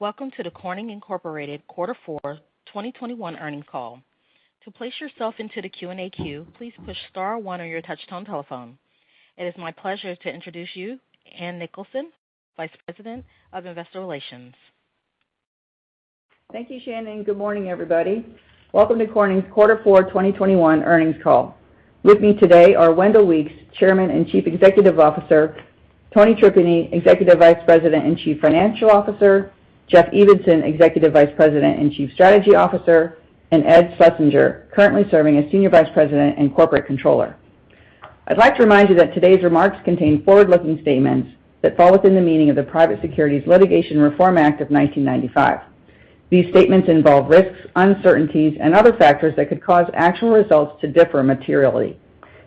Welcome to the Corning Incorporated Quarter Four 2021 earnings call. To place yourself into the Q&A queue, please push star one on your touchtone telephone. It is my pleasure to introduce you to Ann Nicholson, Vice President of Investor Relations. Thank you, Shannon. Good morning, everybody. Welcome to Corning's Quarter Four 2021 earnings call. With me today are Wendell Weeks, Chairman and Chief Executive Officer, Tony Tripeny, Executive Vice President and Chief Financial Officer, Jeff Evenson, Executive Vice President and Chief Strategy Officer, and Ed Schlesinger, currently serving as Senior Vice President and Corporate Controller. I'd like to remind you that today's remarks contain forward-looking statements that fall within the meaning of the Private Securities Litigation Reform Act of 1995. These statements involve risks, uncertainties, and other factors that could cause actual results to differ materially.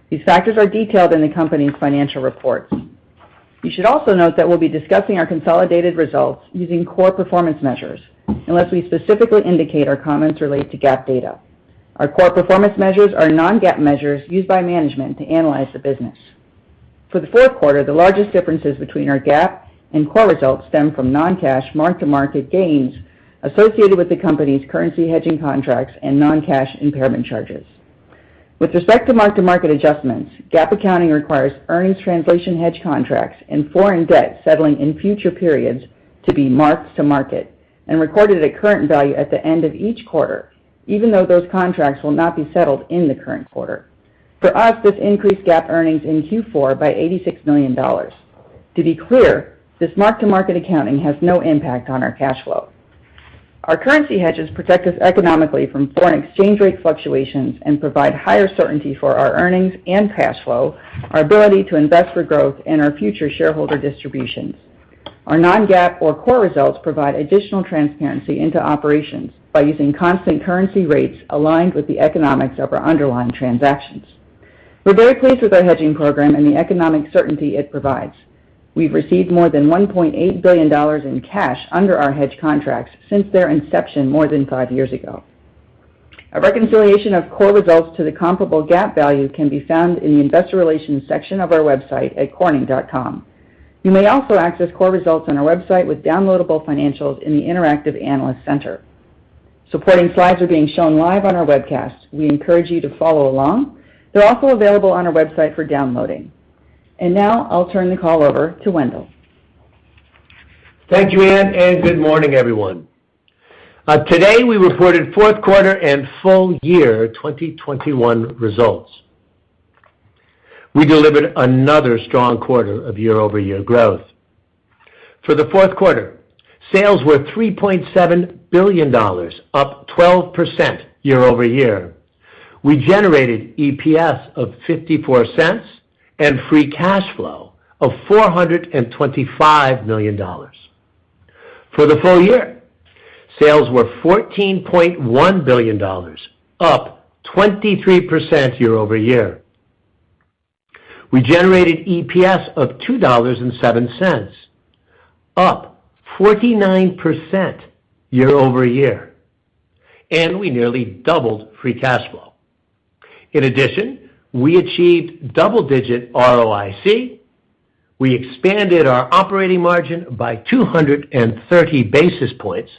These factors are detailed in the company's financial reports. You should also note that we'll be discussing our consolidated results using core performance measures, unless we specifically indicate our comments relate to GAAP data. Our core performance measures are non-GAAP measures used by management to analyze the business. For the Q4, the largest differences between our GAAP and core results stem from non-cash mark-to-market gains associated with the company's currency hedging contracts and non-cash impairment charges. With respect to mark-to-market adjustments, GAAP accounting requires earnings translation hedge contracts and foreign debt settling in future periods to be marked to market and recorded at current value at the end of each quarter, even though those contracts will not be settled in the current quarter. For us, this increased GAAP earnings in Q4 by $86 million. To be clear, this mark-to-market accounting has no impact on our cash flow. Our currency hedges protect us economically from foreign exchange rate fluctuations and provide higher certainty for our earnings and cash flow, our ability to invest for growth, and our future shareholder distributions. Our non-GAAP or core results provide additional transparency into operations by using constant currency rates aligned with the economics of our underlying transactions. We're very pleased with our hedging program and the economic certainty it provides. We've received more than $1.8 billion in cash under our hedge contracts since their inception more than five years ago. A reconciliation of core results to the comparable GAAP value can be found in the investor relations section of our website at corning.com. You may also access core results on our website with downloadable financials in the interactive analyst center. Supporting slides are being shown live on our webcast. We encourage you to follow along. They're also available on our website for downloading. Now I'll turn the call over to Wendell. Thank you, Ann, and good morning, everyone. Today we reported Q4 and full year 2021 results. We delivered another strong quarter of year-over-year growth. For the Q4, sales were $3.7 billion, up 12% year-over-year. We generated EPS of $0.54 and free cash flow of $425 million. For the full year, sales were $14.1 billion, up 23% year-over-year. We generated EPS of $2.07, up 49% year-over-year, and we nearly doubled free cash flow. In addition, we achieved double-digit ROIC. We expanded our operating margin by 230 basis points.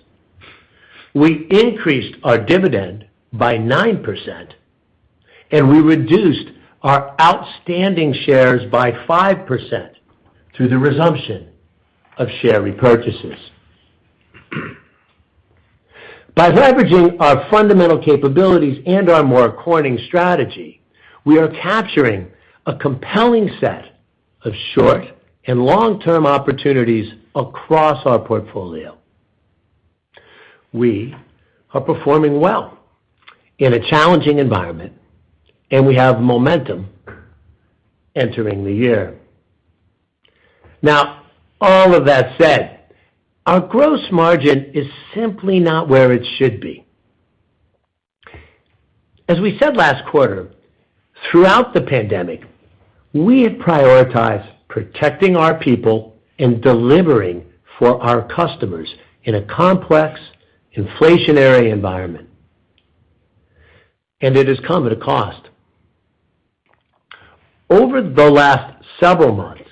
We increased our dividend by 9%, and we reduced our outstanding shares by 5% through the resumption of share repurchases. By leveraging our fundamental capabilities and our core Corning strategy, we are capturing a compelling set of short- and long-term opportunities across our portfolio. We are performing well in a challenging environment, and we have momentum entering the year. Now, all of that said, our gross margin is simply not where it should be. As we said last quarter, throughout the pandemic, we have prioritized protecting our people and delivering for our customers in a complex inflationary environment, and it has come at a cost. Over the last several months,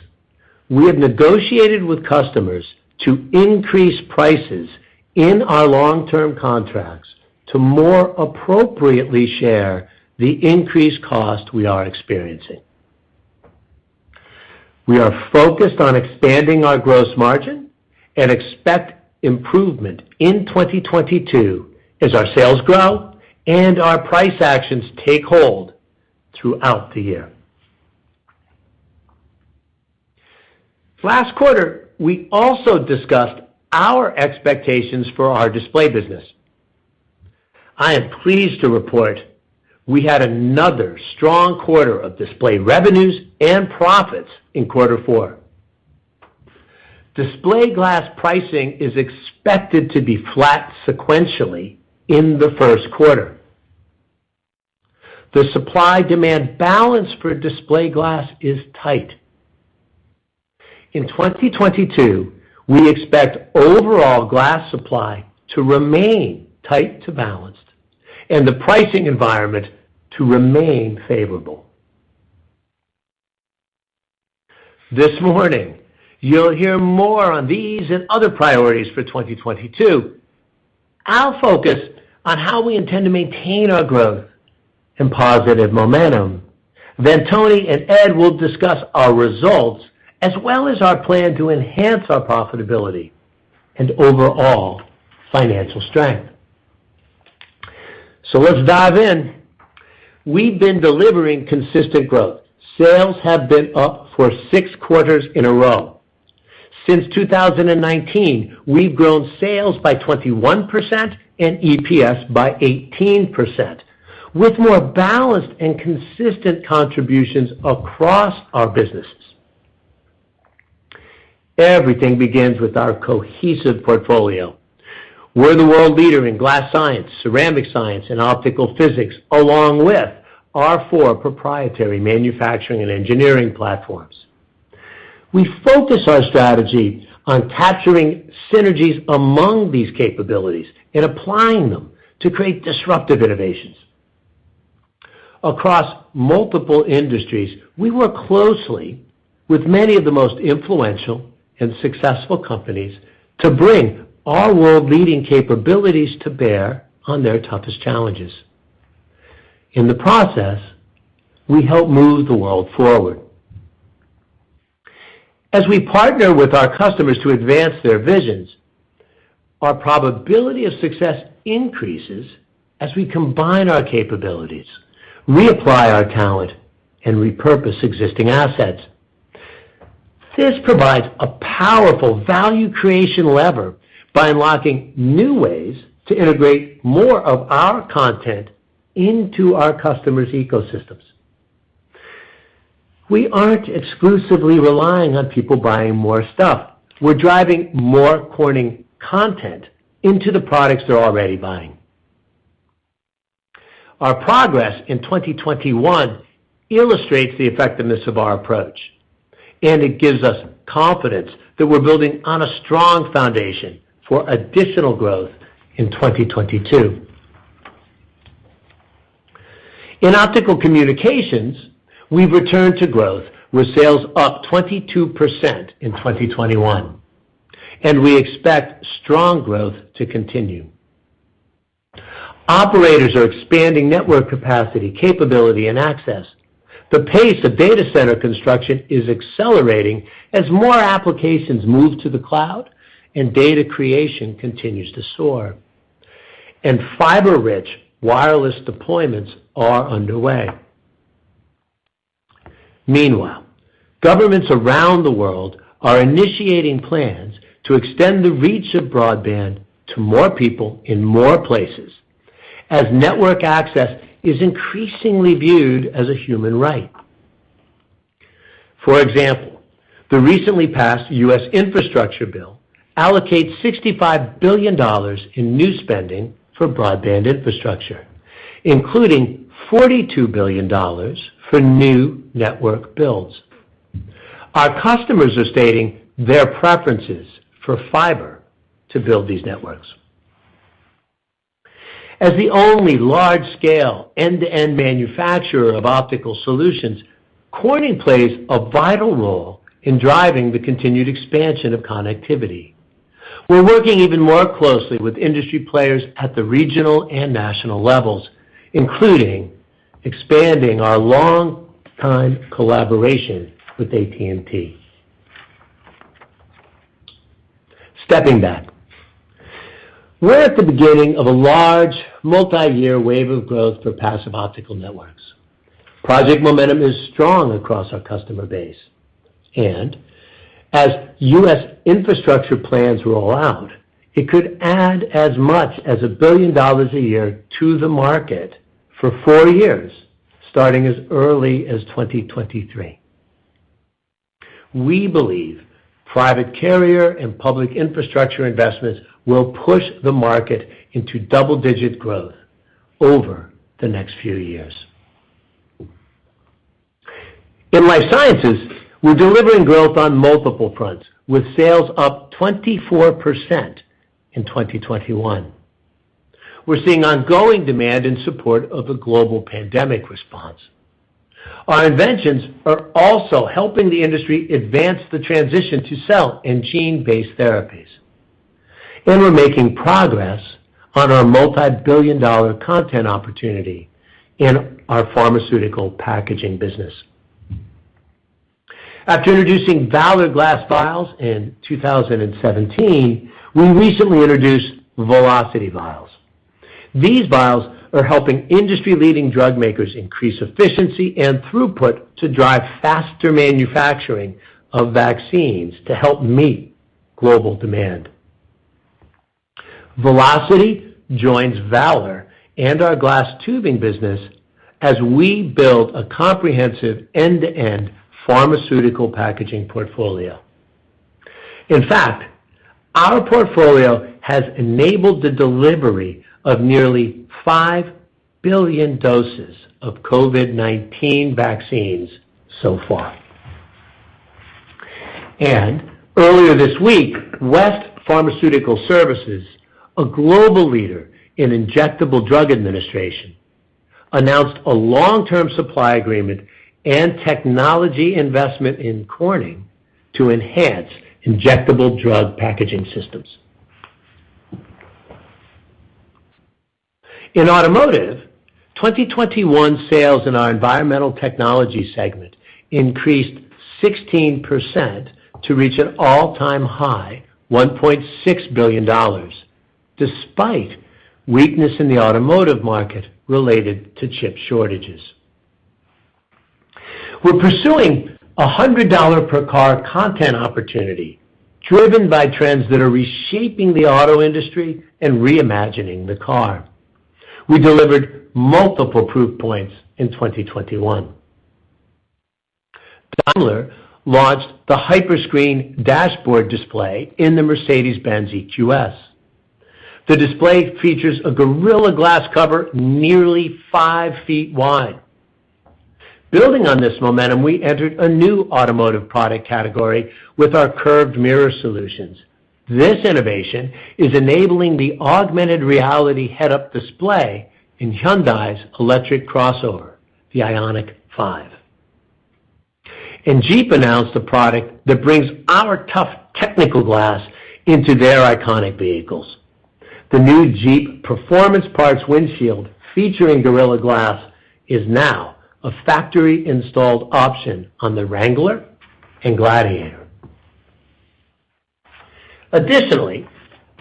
we have negotiated with customers to increase prices in our long-term contracts to more appropriately share the increased cost we are experiencing. We are focused on expanding our gross margin and expect improvement in 2022 as our sales grow and our price actions take hold throughout the year. Last quarter, we also discussed our expectations for our display business. I am pleased to report we had another strong quarter of display revenues and profits in quarter four. Display glass pricing is expected to be flat sequentially in the Q1. The supply-demand balance for display glass is tight. In 2022, we expect overall glass supply to remain tight to balanced and the pricing environment to remain favorable. This morning, you'll hear more on these and other priorities for 2022. I'll focus on how we intend to maintain our growth and positive momentum. Then Tony and Ed will discuss our results as well as our plan to enhance our profitability and overall financial strength. Let's dive in. We've been delivering consistent growth. Sales have been up for six quarters in a row. Since 2019, we've grown sales by 21% and EPS by 18%, with more balanced and consistent contributions across our businesses. Everything begins with our cohesive portfolio. We're the world leader in glass science, ceramic science, and optical physics, along with our four proprietary manufacturing and engineering platforms. We focus our strategy on capturing synergies among these capabilities and applying them to create disruptive innovations. Across multiple industries, we work closely with many of the most influential and successful companies to bring our world-leading capabilities to bear on their toughest challenges. In the process, we help move the world forward. As we partner with our customers to advance their visions, our probability of success increases as we combine our capabilities, reapply our talent, and repurpose existing assets. This provides a powerful value creation lever by unlocking new ways to integrate more of our content into our customers' ecosystems. We aren't exclusively relying on people buying more stuff. We're driving more Corning content into the products they're already buying. Our progress in 2021 illustrates the effectiveness of our approach, and it gives us confidence that we're building on a strong foundation for additional growth in 2022. In Optical Communications, we've returned to growth, with sales up 22% in 2021, and we expect strong growth to continue. Operators are expanding network capacity, capability, and access. The pace of data center construction is accelerating as more applications move to the cloud and data creation continues to soar, and fiber-rich wireless deployments are underway. Meanwhile, governments around the world are initiating plans to extend the reach of broadband to more people in more places as network access is increasingly viewed as a human right. For example, the recently passed U.S. infrastructure bill allocates $65 billion in new spending for broadband infrastructure, including $42 billion for new network builds. Our customers are stating their preferences for fiber to build these networks. As the only large-scale end-to-end manufacturer of optical solutions, Corning plays a vital role in driving the continued expansion of connectivity. We're working even more closely with industry players at the regional and national levels, including expanding our long-time collaboration with AT&T. Stepping back, we're at the beginning of a large multi-year wave of growth for passive optical networks. Project momentum is strong across our customer base. As U.S. infrastructure plans roll out, it could add as much as $1 billion a year to the market for four years, starting as early as 2023. We believe private carrier and public infrastructure investments will push the market into double-digit growth over the next few years. In life sciences, we're delivering growth on multiple fronts, with sales up 24% in 2021. We're seeing ongoing demand in support of a global pandemic response. Our inventions are also helping the industry advance the transition to cell and gene-based therapies. We're making progress on our multi-billion dollar content opportunity in our pharmaceutical packaging business. After introducing Valor Glass vials in 2017, we recently introduced Velocity Vials. These vials are helping industry-leading drug makers increase efficiency and throughput to drive faster manufacturing of vaccines to help meet global demand. Velocity Vials joins Valor Glass and our glass tubing business as we build a comprehensive end-to-end pharmaceutical packaging portfolio. In fact, our portfolio has enabled the delivery of nearly five billion doses of COVID-19 vaccines so far. Earlier this week, West Pharmaceutical Services, a global leader in injectable drug administration, announced a long-term supply agreement and technology investment in Corning to enhance injectable drug packaging systems. In automotive, 2021 sales in our Environmental Technologies segment increased 16% to reach an all-time high $1.6 billion, despite weakness in the automotive market related to chip shortages. We're pursuing a $100 per car content opportunity driven by trends that are reshaping the auto industry and reimagining the car. We delivered multiple proof points in 2021. Daimler launched the Hyperscreen dashboard display in the Mercedes-Benz EQS. The display features a Gorilla Glass cover nearly 5 ft wide. Building on this momentum, we entered a new automotive product category with our curved mirror solutions. This innovation is enabling the augmented reality head-up display in Hyundai's electric crossover, the IONIQ 5. Jeep announced a product that brings our tough technical glass into their iconic vehicles. The new Jeep Performance Parts windshield featuring Gorilla Glass is now a factory-installed option on the Wrangler and Gladiator. Additionally,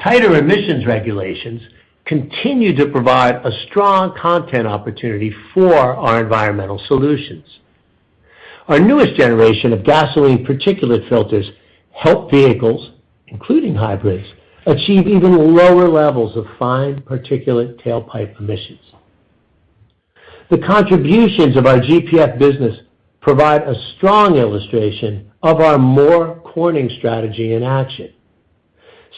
tighter emissions regulations continue to provide a strong content opportunity for our Environmental Technologies solutions. Our newest generation of gasoline particulate filters help vehicles, including hybrids, achieve even lower levels of fine particulate tailpipe emissions. The contributions of our GPF business provide a strong illustration of our More Corning strategy in action.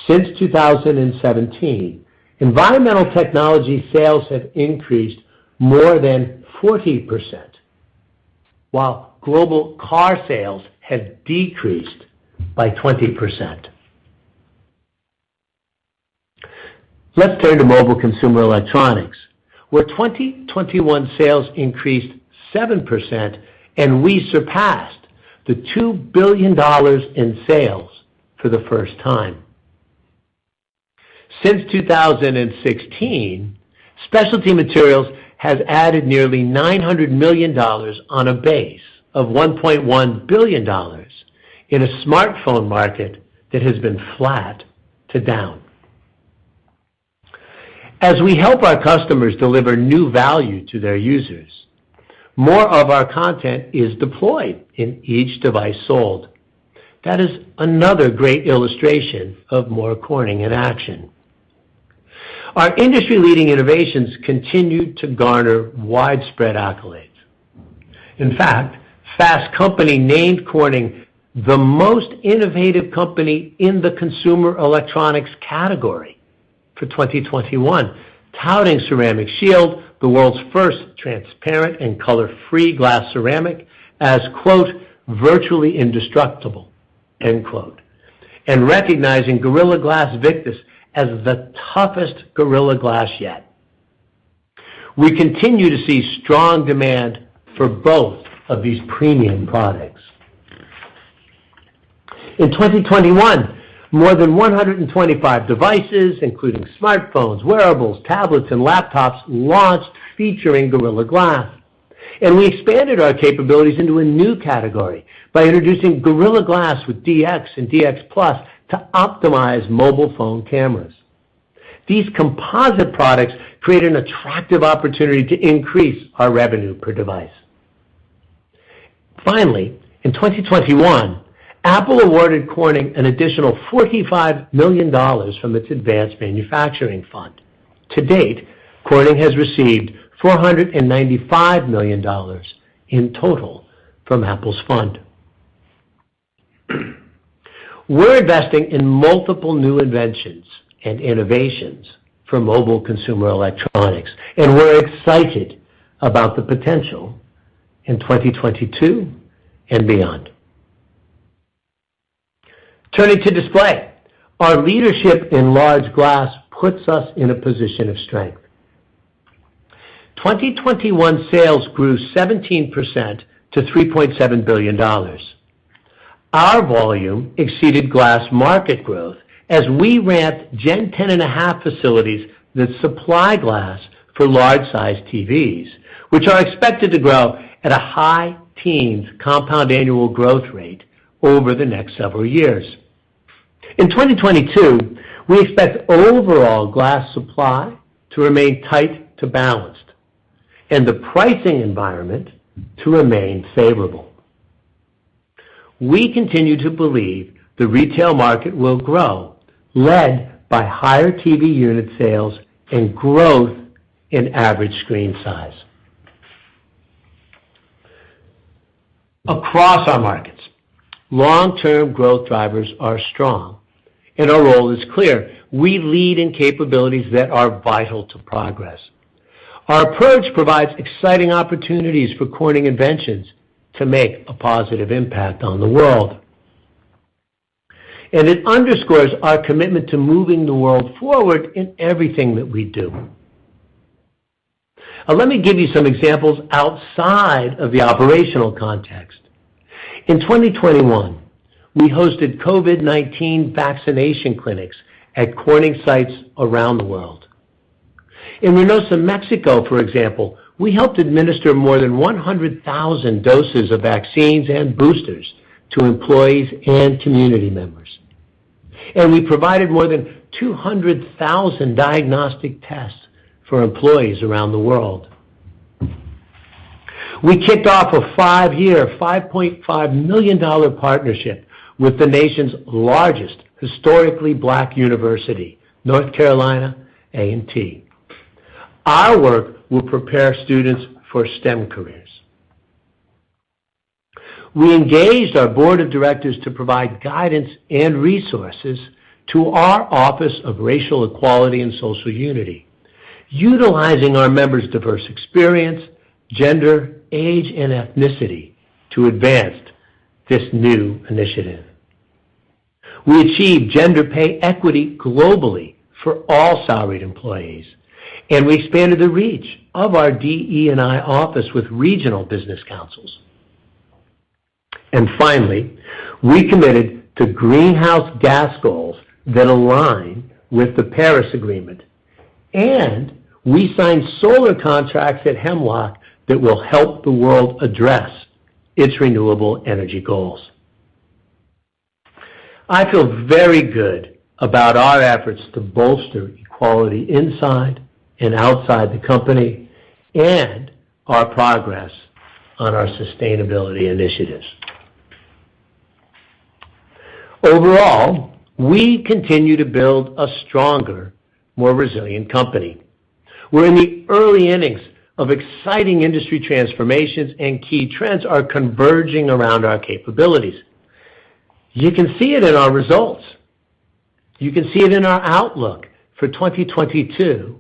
Since 2017, Environmental Technologies sales have increased more than 40%, while global car sales have decreased by 20%. Let's turn to mobile consumer electronics, where 2021 sales increased 7% and we surpassed $2 billion in sales for the first time. Since 2016, Specialty Materials have added nearly $900 million on a base of $1.1 billion in a smartphone market that has been flat to down. As we help our customers deliver new value to their users, more of our content is deployed in each device sold. That is another great illustration of more Corning in action. Our industry-leading innovations continue to garner widespread accolades. In fact, Fast Company named Corning the most innovative company in the consumer electronics category for 2021, touting Ceramic Shield, the world's first transparent and color-free glass-ceramic, as, quote, "virtually indestructible," end quote, and recognizing Gorilla Glass Victus as the toughest Gorilla Glass yet. We continue to see strong demand for both of these premium products. In 2021, more than 125 devices, including smartphones, wearables, tablets, and laptops, launched featuring Gorilla Glass. We expanded our capabilities into a new category by introducing Gorilla Glass with DX and DX+ to optimize mobile phone cameras. These composite products create an attractive opportunity to increase our revenue per device. Finally, in 2021, Apple awarded Corning an additional $45 million from its advanced manufacturing fund. To date, Corning has received $495 million in total from Apple's fund. We're investing in multiple new inventions and innovations for mobile consumer electronics, and we're excited about the potential in 2022 and beyond. Turning to display, our leadership in large glass puts us in a position of strength. 2021 sales grew 17% to $3.7 billion. Our volume exceeded glass market growth as we ramped Gen 10.5 facilities that supply glass for large-sized TVs, which are expected to grow at a high teens compound annual growth rate over the next several years. In 2022, we expect overall glass supply to remain tight to balanced and the pricing environment to remain favorable. We continue to believe the retail market will grow, led by higher TV unit sales and growth in average screen size. Across our markets, long-term growth drivers are strong, and our role is clear. We lead in capabilities that are vital to progress. Our approach provides exciting opportunities for Corning inventions to make a positive impact on the world. It underscores our commitment to moving the world forward in everything that we do. Now, let me give you some examples outside of the operational context. In 2021, we hosted COVID-19 vaccination clinics at Corning sites around the world. In Reynosa, Mexico, for example, we helped administer more than 100,000 doses of vaccines and boosters to employees and community members. We provided more than 200,000 diagnostic tests for employees around the world. We kicked off a five-year, $5.5 million partnership with the nation's largest historically Black university, North Carolina A&T. Our work will prepare students for STEM careers. We engaged our board of directors to provide guidance and resources to our Office of Racial Equality and Social Unity, utilizing our members' diverse experience, gender, age, and ethnicity to advance this new initiative. We achieved gender pay equity globally for all salaried employees, and we expanded the reach of our DE&I office with regional business councils. Finally, we committed to greenhouse gas goals that align with the Paris Agreement, and we signed solar contracts at Hemlock that will help the world address its renewable energy goals. I feel very good about our efforts to bolster equality inside and outside the company and our progress on our sustainability initiatives. Overall, we continue to build a stronger, more resilient company. We're in the early innings of exciting industry transformations, and key trends are converging around our capabilities. You can see it in our results. You can see it in our outlook for 2022,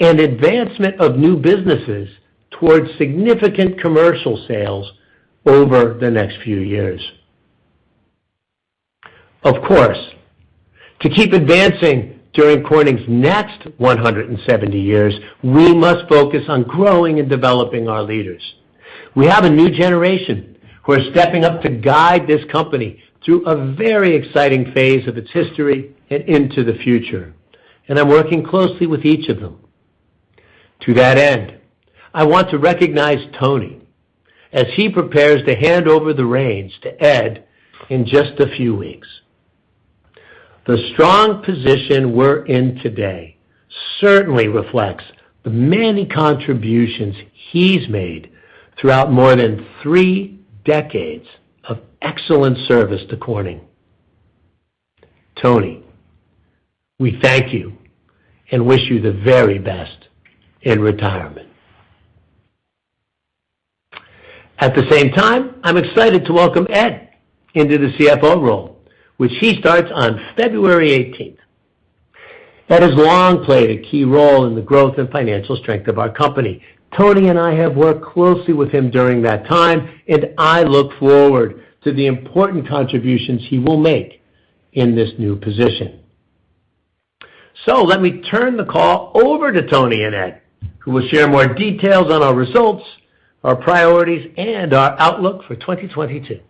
and advancement of new businesses towards significant commercial sales over the next few years. Of course, to keep advancing during Corning's next 170 years, we must focus on growing and developing our leaders. We have a new generation who are stepping up to guide this company through a very exciting phase of its history and into the future, and I'm working closely with each of them. To that end, I want to recognize Tony as he prepares to hand over the reins to Ed in just a few weeks. The strong position we're in today certainly reflects the many contributions he's made throughout more than three decades of excellent service to Corning. Tony, we thank you and wish you the very best in retirement. At the same time, I'm excited to welcome Ed into the CFO role, which he starts on February 18. Ed has long played a key role in the growth and financial strength of our company. Tony and I have worked closely with him during that time, and I look forward to the important contributions he will make in this new position. Let me turn the call over to Tony and Ed, who will share more details on our results, our priorities, and our outlook for 2022.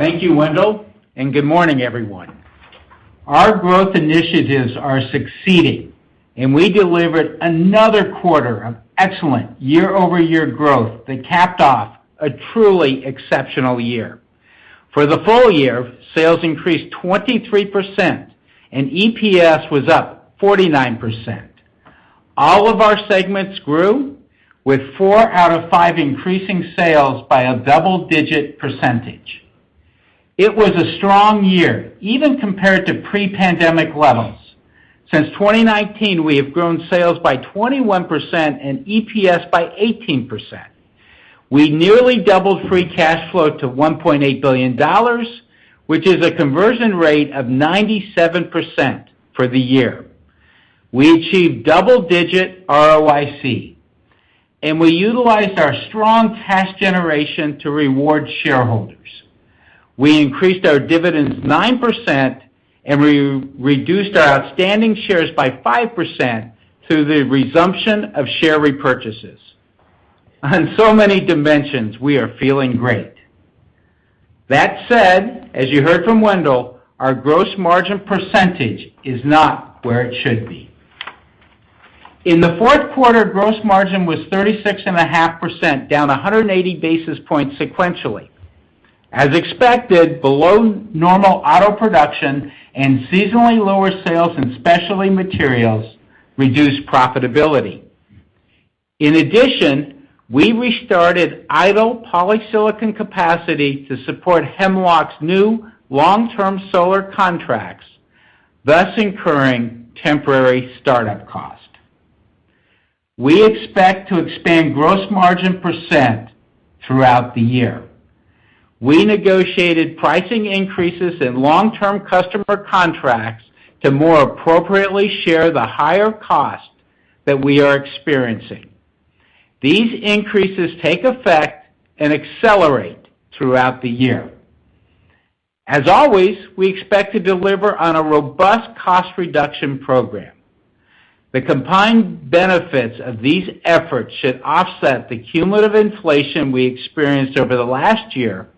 Thank you, Wendell, and good morning, everyone. Our growth initiatives are succeeding, and we delivered another quarter of excellent year-over-year growth that capped off a truly exceptional year. For the full year, sales increased 23%, and EPS was up 49%. All of our segments grew with four out of five increasing sales by a double-digit percentage. It was a strong year, even compared to pre-pandemic levels. Since 2019, we have grown sales by 21% and EPS by 18%. We nearly doubled free cash flow to $1.8 billion, which is a conversion rate of 97% for the year. We achieved double-digit ROIC, and we utilized our strong cash generation to reward shareholders. We increased our dividends 9%, and we reduced our outstanding shares by 5% through the resumption of share repurchases. On so many dimensions, we are feeling great. That said, as you heard from Wendell, our gross margin percentage is not where it should be. In the Q4, gross margin was 36.5%, down 180 basis points sequentially. As expected, below normal auto production and seasonally lower sales and Specialty Materials reduced profitability. In addition, we restarted idle polysilicon capacity to support Hemlock's new long-term solar contracts, thus incurring temporary start-up costs. We expect to expand gross margin % throughout the year. We negotiated pricing increases in long-term customer contracts to more appropriately share the higher cost that we are experiencing. These increases take effect and accelerate throughout the year. As always, we expect to deliver on a robust cost reduction program. The combined benefits of these efforts should offset the cumulative inflation we experienced over the last year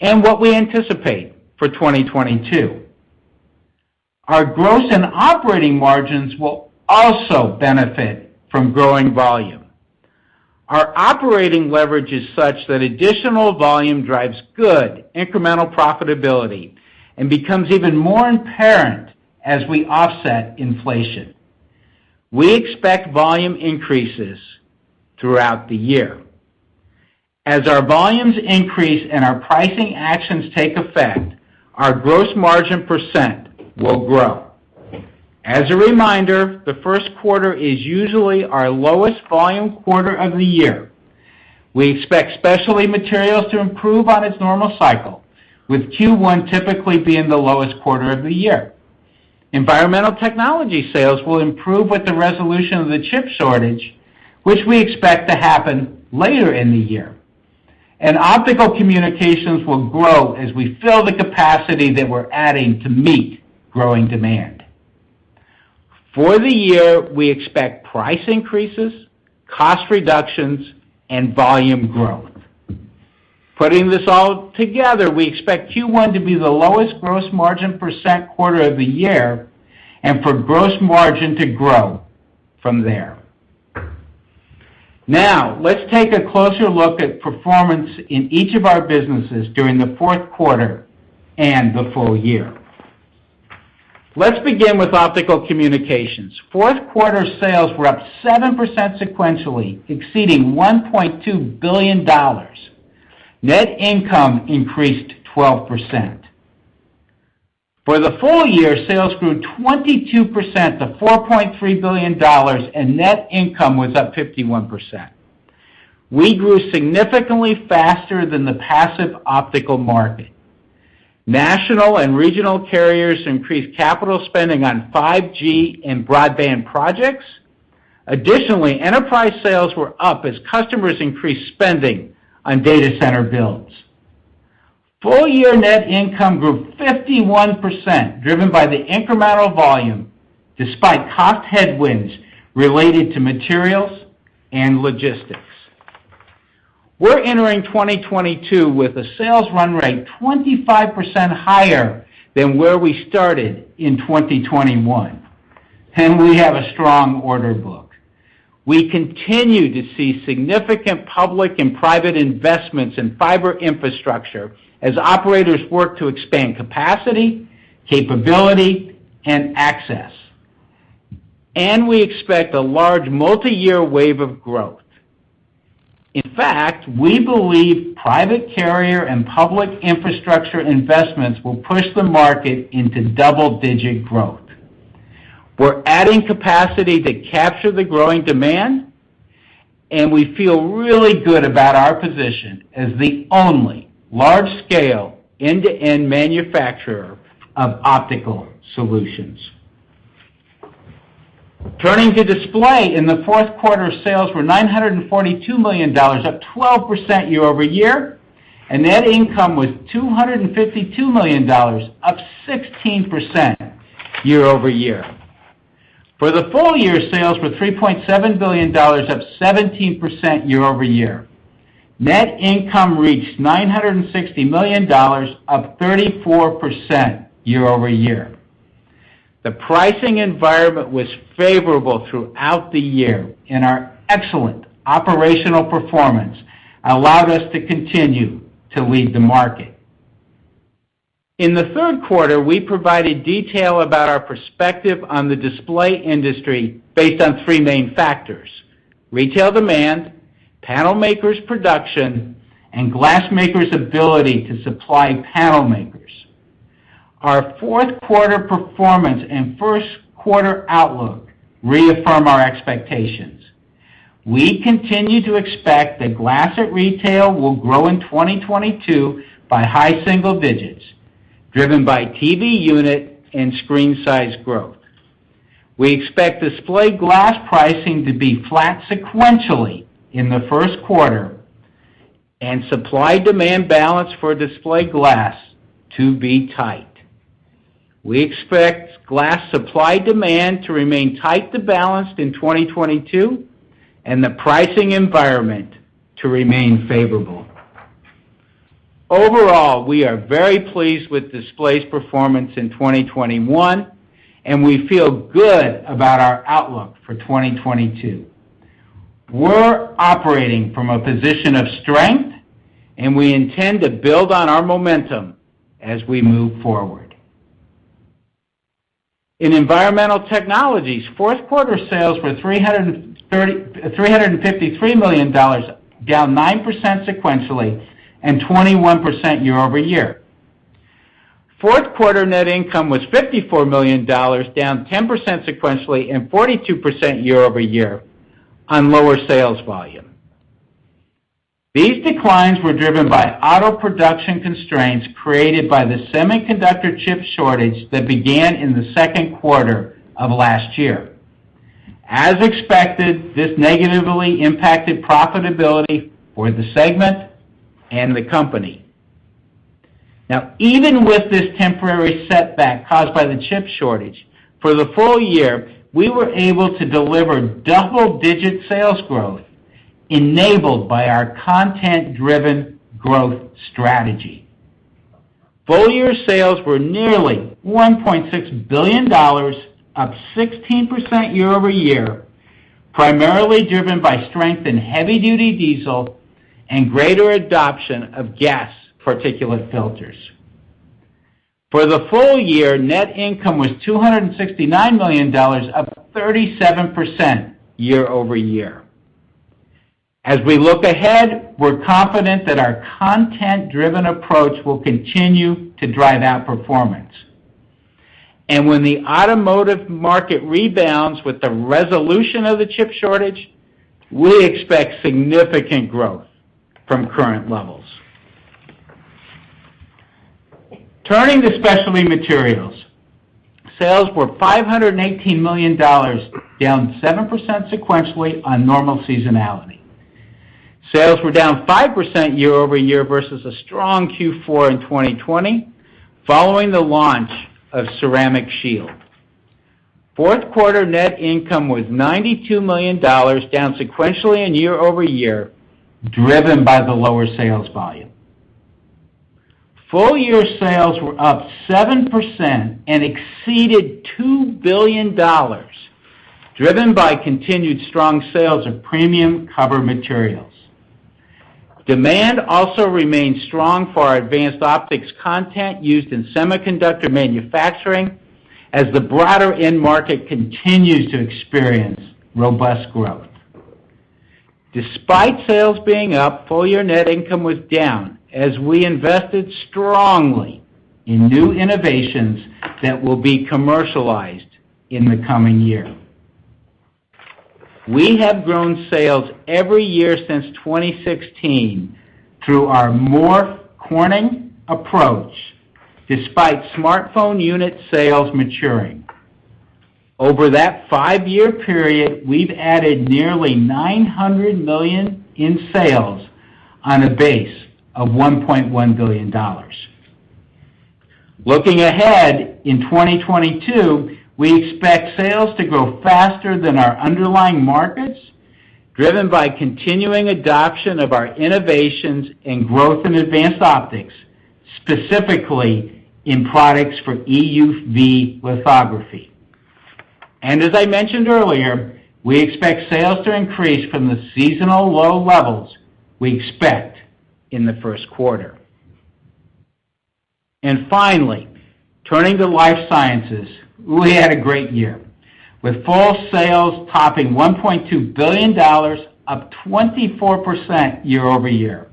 and what we anticipate for 2022. Our gross and operating margins will also benefit from growing volume. Our operating leverage is such that additional volume drives good incremental profitability and becomes even more apparent as we offset inflation. We expect volume increases throughout the year. As our volumes increase and our pricing actions take effect, our gross margin percent will grow. As a reminder, the Q1 is usually our lowest volume quarter of the year. We expect Specialty Materials to improve on its normal cycle, with Q1 typically being the lowest quarter of the year. Environmental Technologies sales will improve with the resolution of the chip shortage, which we expect to happen later in the year, and Optical Communications will grow as we fill the capacity that we're adding to meet growing demand. For the year, we expect price increases, cost reductions, and volume growth. Putting this all together, we expect Q1 to be the lowest gross margin percent quarter of the year and for gross margin to grow from there. Now, let's take a closer look at performance in each of our businesses during the Q4 and the full year. Let's begin with Optical Communications. Q4 sales were up 7% sequentially, exceeding $1.2 billion. Net income increased 12%. For the full year, sales grew 22% to $4.3 billion, and net income was up 51%. We grew significantly faster than the passive optical market. National and regional carriers increased capital spending on 5G and broadband projects. Additionally, enterprise sales were up as customers increased spending on data center builds. Full year net income grew 51%, driven by the incremental volume despite cost headwinds related to materials and logistics. We're entering 2022 with a sales run rate 25% higher than where we started in 2021, and we have a strong order book. We continue to see significant public and private investments in fiber infrastructure as operators work to expand capacity, capability, and access. We expect a large multiyear wave of growth. In fact, we believe private carrier and public infrastructure investments will push the market into double-digit growth. We're adding capacity to capture the growing demand, and we feel really good about our position as the only large-scale end-to-end manufacturer of optical solutions. Turning to Display, in the Q4, sales were $942 million, up 12% year-over-year, and net income was $252 million, up 16% year-over-year. For the full year, sales were $3.7 billion, up 17% year-over-year. Net income reached $960 million, up 34% year-over-year. The pricing environment was favorable throughout the year, and our excellent operational performance allowed us to continue to lead the market. In the Q3, we provided detail about our perspective on the display industry based on three main factors, retail demand, panel makers' production, and glass makers' ability to supply panel makers. Our Q4 performance and Q1 outlook reaffirm our expectations. We continue to expect that glass at retail will grow in 2022 by high single digits, driven by TV unit and screen size growth. We expect display glass pricing to be flat sequentially in the Q1 and supply-demand balance for display glass to be tight. We expect glass supply-demand to remain tight to balanced in 2022 and the pricing environment to remain favorable. Overall, we are very pleased with Display's performance in 2021, and we feel good about our outlook for 2022. We're operating from a position of strength, and we intend to build on our momentum as we move forward. In Environmental Technologies, Q4 sales were $353 million, down 9% sequentially and 21% year-over-year. Q4 net income was $54 million, down 10% sequentially and 42% year-over-year on lower sales volume. These declines were driven by auto production constraints created by the semiconductor chip shortage that began in the Q2 of last year. As expected, this negatively impacted profitability for the segment and the company. Now, even with this temporary setback caused by the chip shortage, for the full year, we were able to deliver double-digit sales growth enabled by our content-driven growth strategy. Full year sales were nearly $1.6 billion, up 16% year-over-year, primarily driven by strength in heavy duty diesel and greater adoption of gasoline particulate filters. For the full year, net income was $269 million, up 37% year-over-year. As we look ahead, we're confident that our content-driven approach will continue to drive our performance. When the automotive market rebounds with the resolution of the chip shortage, we expect significant growth from current levels. Turning to Specialty Materials. Sales were $518 million, down 7% sequentially on normal seasonality. Sales were down 5% year-over-year versus a strong Q4 in 2020 following the launch of Ceramic Shield. Q4 net income was $92 million, down sequentially and year-over-year, driven by the lower sales volume. Full year sales were up 7% and exceeded $2 billion, driven by continued strong sales of premium cover materials. Demand also remains strong for our advanced optics content used in semiconductor manufacturing as the broader end market continues to experience robust growth. Despite sales being up, full year net income was down as we invested strongly in new innovations that will be commercialized in the coming year. We have grown sales every year since 2016 through our more Corning approach, despite smartphone unit sales maturing. Over that five-year period, we've added nearly $900 million in sales on a base of $1.1 billion. Looking ahead, in 2022, we expect sales to grow faster than our underlying markets, driven by continuing adoption of our innovations and growth in advanced optics, specifically in products for EUV lithography. As I mentioned earlier, we expect sales to increase from the seasonal low levels we expect in the Q1. Finally, turning to life sciences. We had a great year, with full sales topping $1.2 billion, up 24% year-over-year.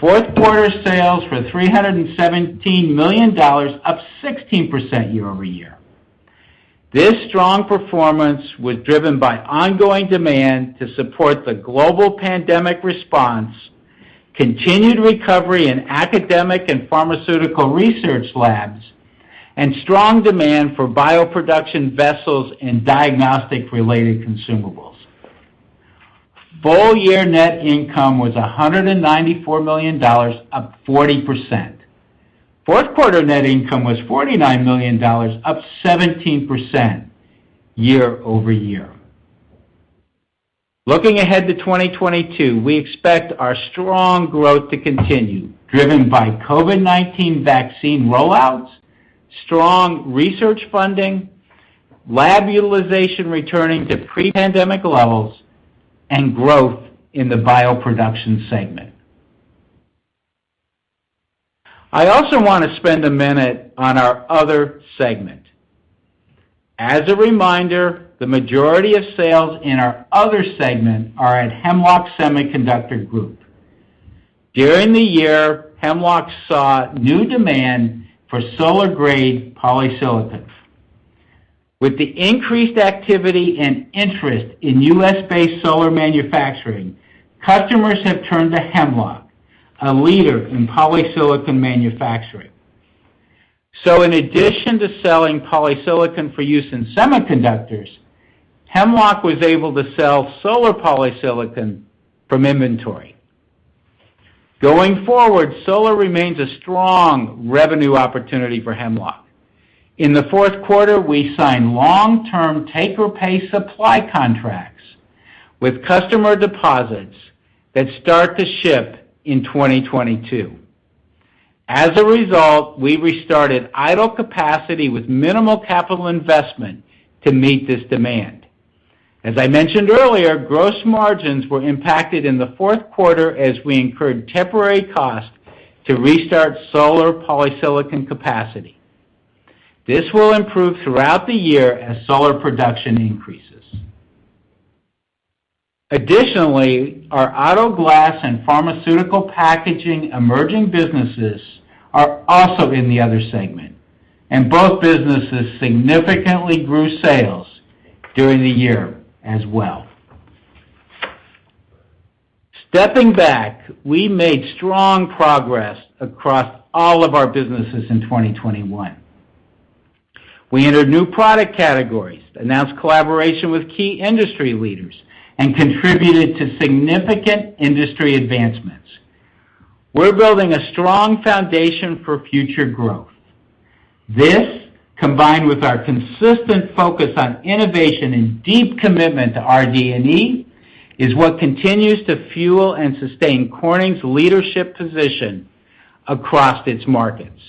Q4 sales were $317 million, up 16% year-over-year. This strong performance was driven by ongoing demand to support the global pandemic response, continued recovery in academic and pharmaceutical research labs, and strong demand for bioproduction vessels and diagnostic-related consumables. Full year net income was $194 million, up 40%. Q4 net income was $49 million, up 17% year-over-year. Looking ahead to 2022, we expect our strong growth to continue, driven by COVID-19 vaccine roll-outs, strong research funding, lab utilization returning to pre-pandemic levels, and growth in the bioproduction segment. I also wanna spend a minute on our other segment. As a reminder, the majority of sales in our other segment are at Hemlock Semiconductor Group. During the year, Hemlock saw new demand for solar-grade polysilicon. With the increased activity and interest in U.S.-based solar manufacturing, customers have turned to Hemlock, a leader in polysilicon manufacturing. In addition to selling polysilicon for use in semiconductors, Hemlock was able to sell solar polysilicon from inventory. Going forward, solar remains a strong revenue opportunity for Hemlock. In the Q4, we signed long-term take-or-pay supply contracts with customer deposits that start to ship in 2022. As a result, we restarted idle capacity with minimal capital investment to meet this demand. As I mentioned earlier, gross margins were impacted in the Q4 as we incurred temporary costs to restart solar polysilicon capacity. This will improve throughout the year as solar production increases. Additionally, our auto glass and pharmaceutical packaging emerging businesses are also in the other segment, and both businesses significantly grew sales during the year as well. Stepping back, we made strong progress across all of our businesses in 2021. We entered new product categories, announced collaboration with key industry leaders, and contributed to significant industry advancements. We're building a strong foundation for future growth. This, combined with our consistent focus on innovation and deep commitment to RD&E, is what continues to fuel and sustain Corning's leadership position across its markets.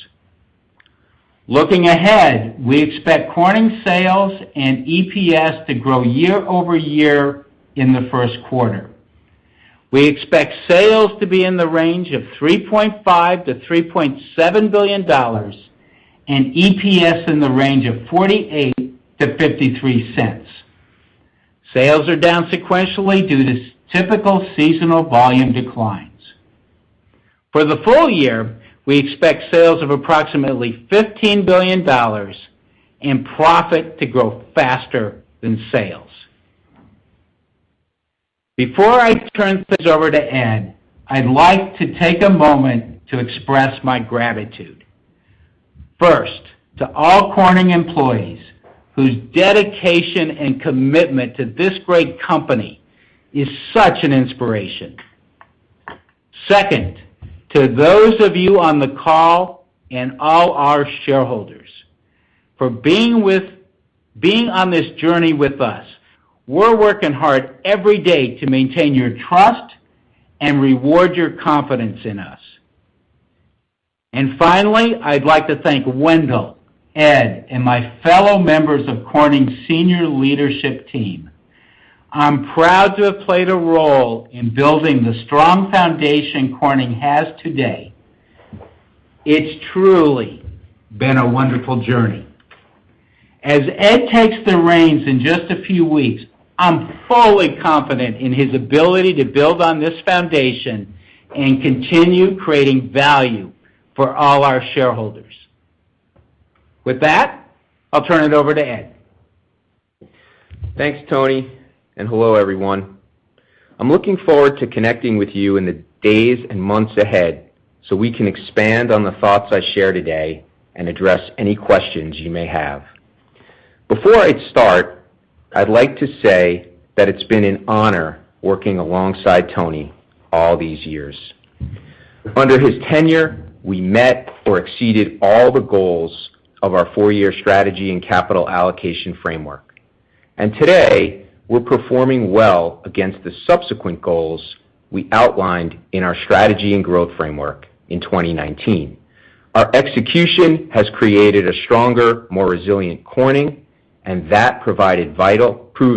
Looking ahead, we expect Corning sales and EPS to grow year-over-year in the Q1. We expect sales to be in the range of $3.5 billion-$3.7 billion and EPS in the range of $0.48-$0.53. Sales are down sequentially due to typical seasonal volume declines. For the full year, we expect sales of approximately $15 billion and profit to grow faster than sales. Before I turn things over to Ed, I'd like to take a moment to express my gratitude, first, to all Corning employees whose dedication and commitment to this great company is such an inspiration. Second, to those of you on the call and all our shareholders for being on this journey with us. We're working hard every day to maintain your trust and reward your confidence in us. Finally, I'd like to thank Wendell, Ed, and my fellow members of Corning's senior leadership team. I'm proud to have played a role in building the strong foundation Corning has today. It's truly been a wonderful journey. As Ed takes the reins in just a few weeks, I'm fully confident in his ability to build on this foundation and continue creating value for all our shareholders. With that, I'll turn it over to Ed. Thanks, Tony, and hello, everyone. I'm looking forward to connecting with you in the days and months ahead, so we can expand on the thoughts I share today and address any questions you may have. Before I start, I'd like to say that it's been an honor working alongside Tony all these years. Under his tenure, we met or exceeded all the goals of our four-year strategy and capital allocation framework. Today, we're performing well against the subsequent goals we outlined in our strategy and growth framework in 2019. Our execution has created a stronger, more resilient Corning, and that proved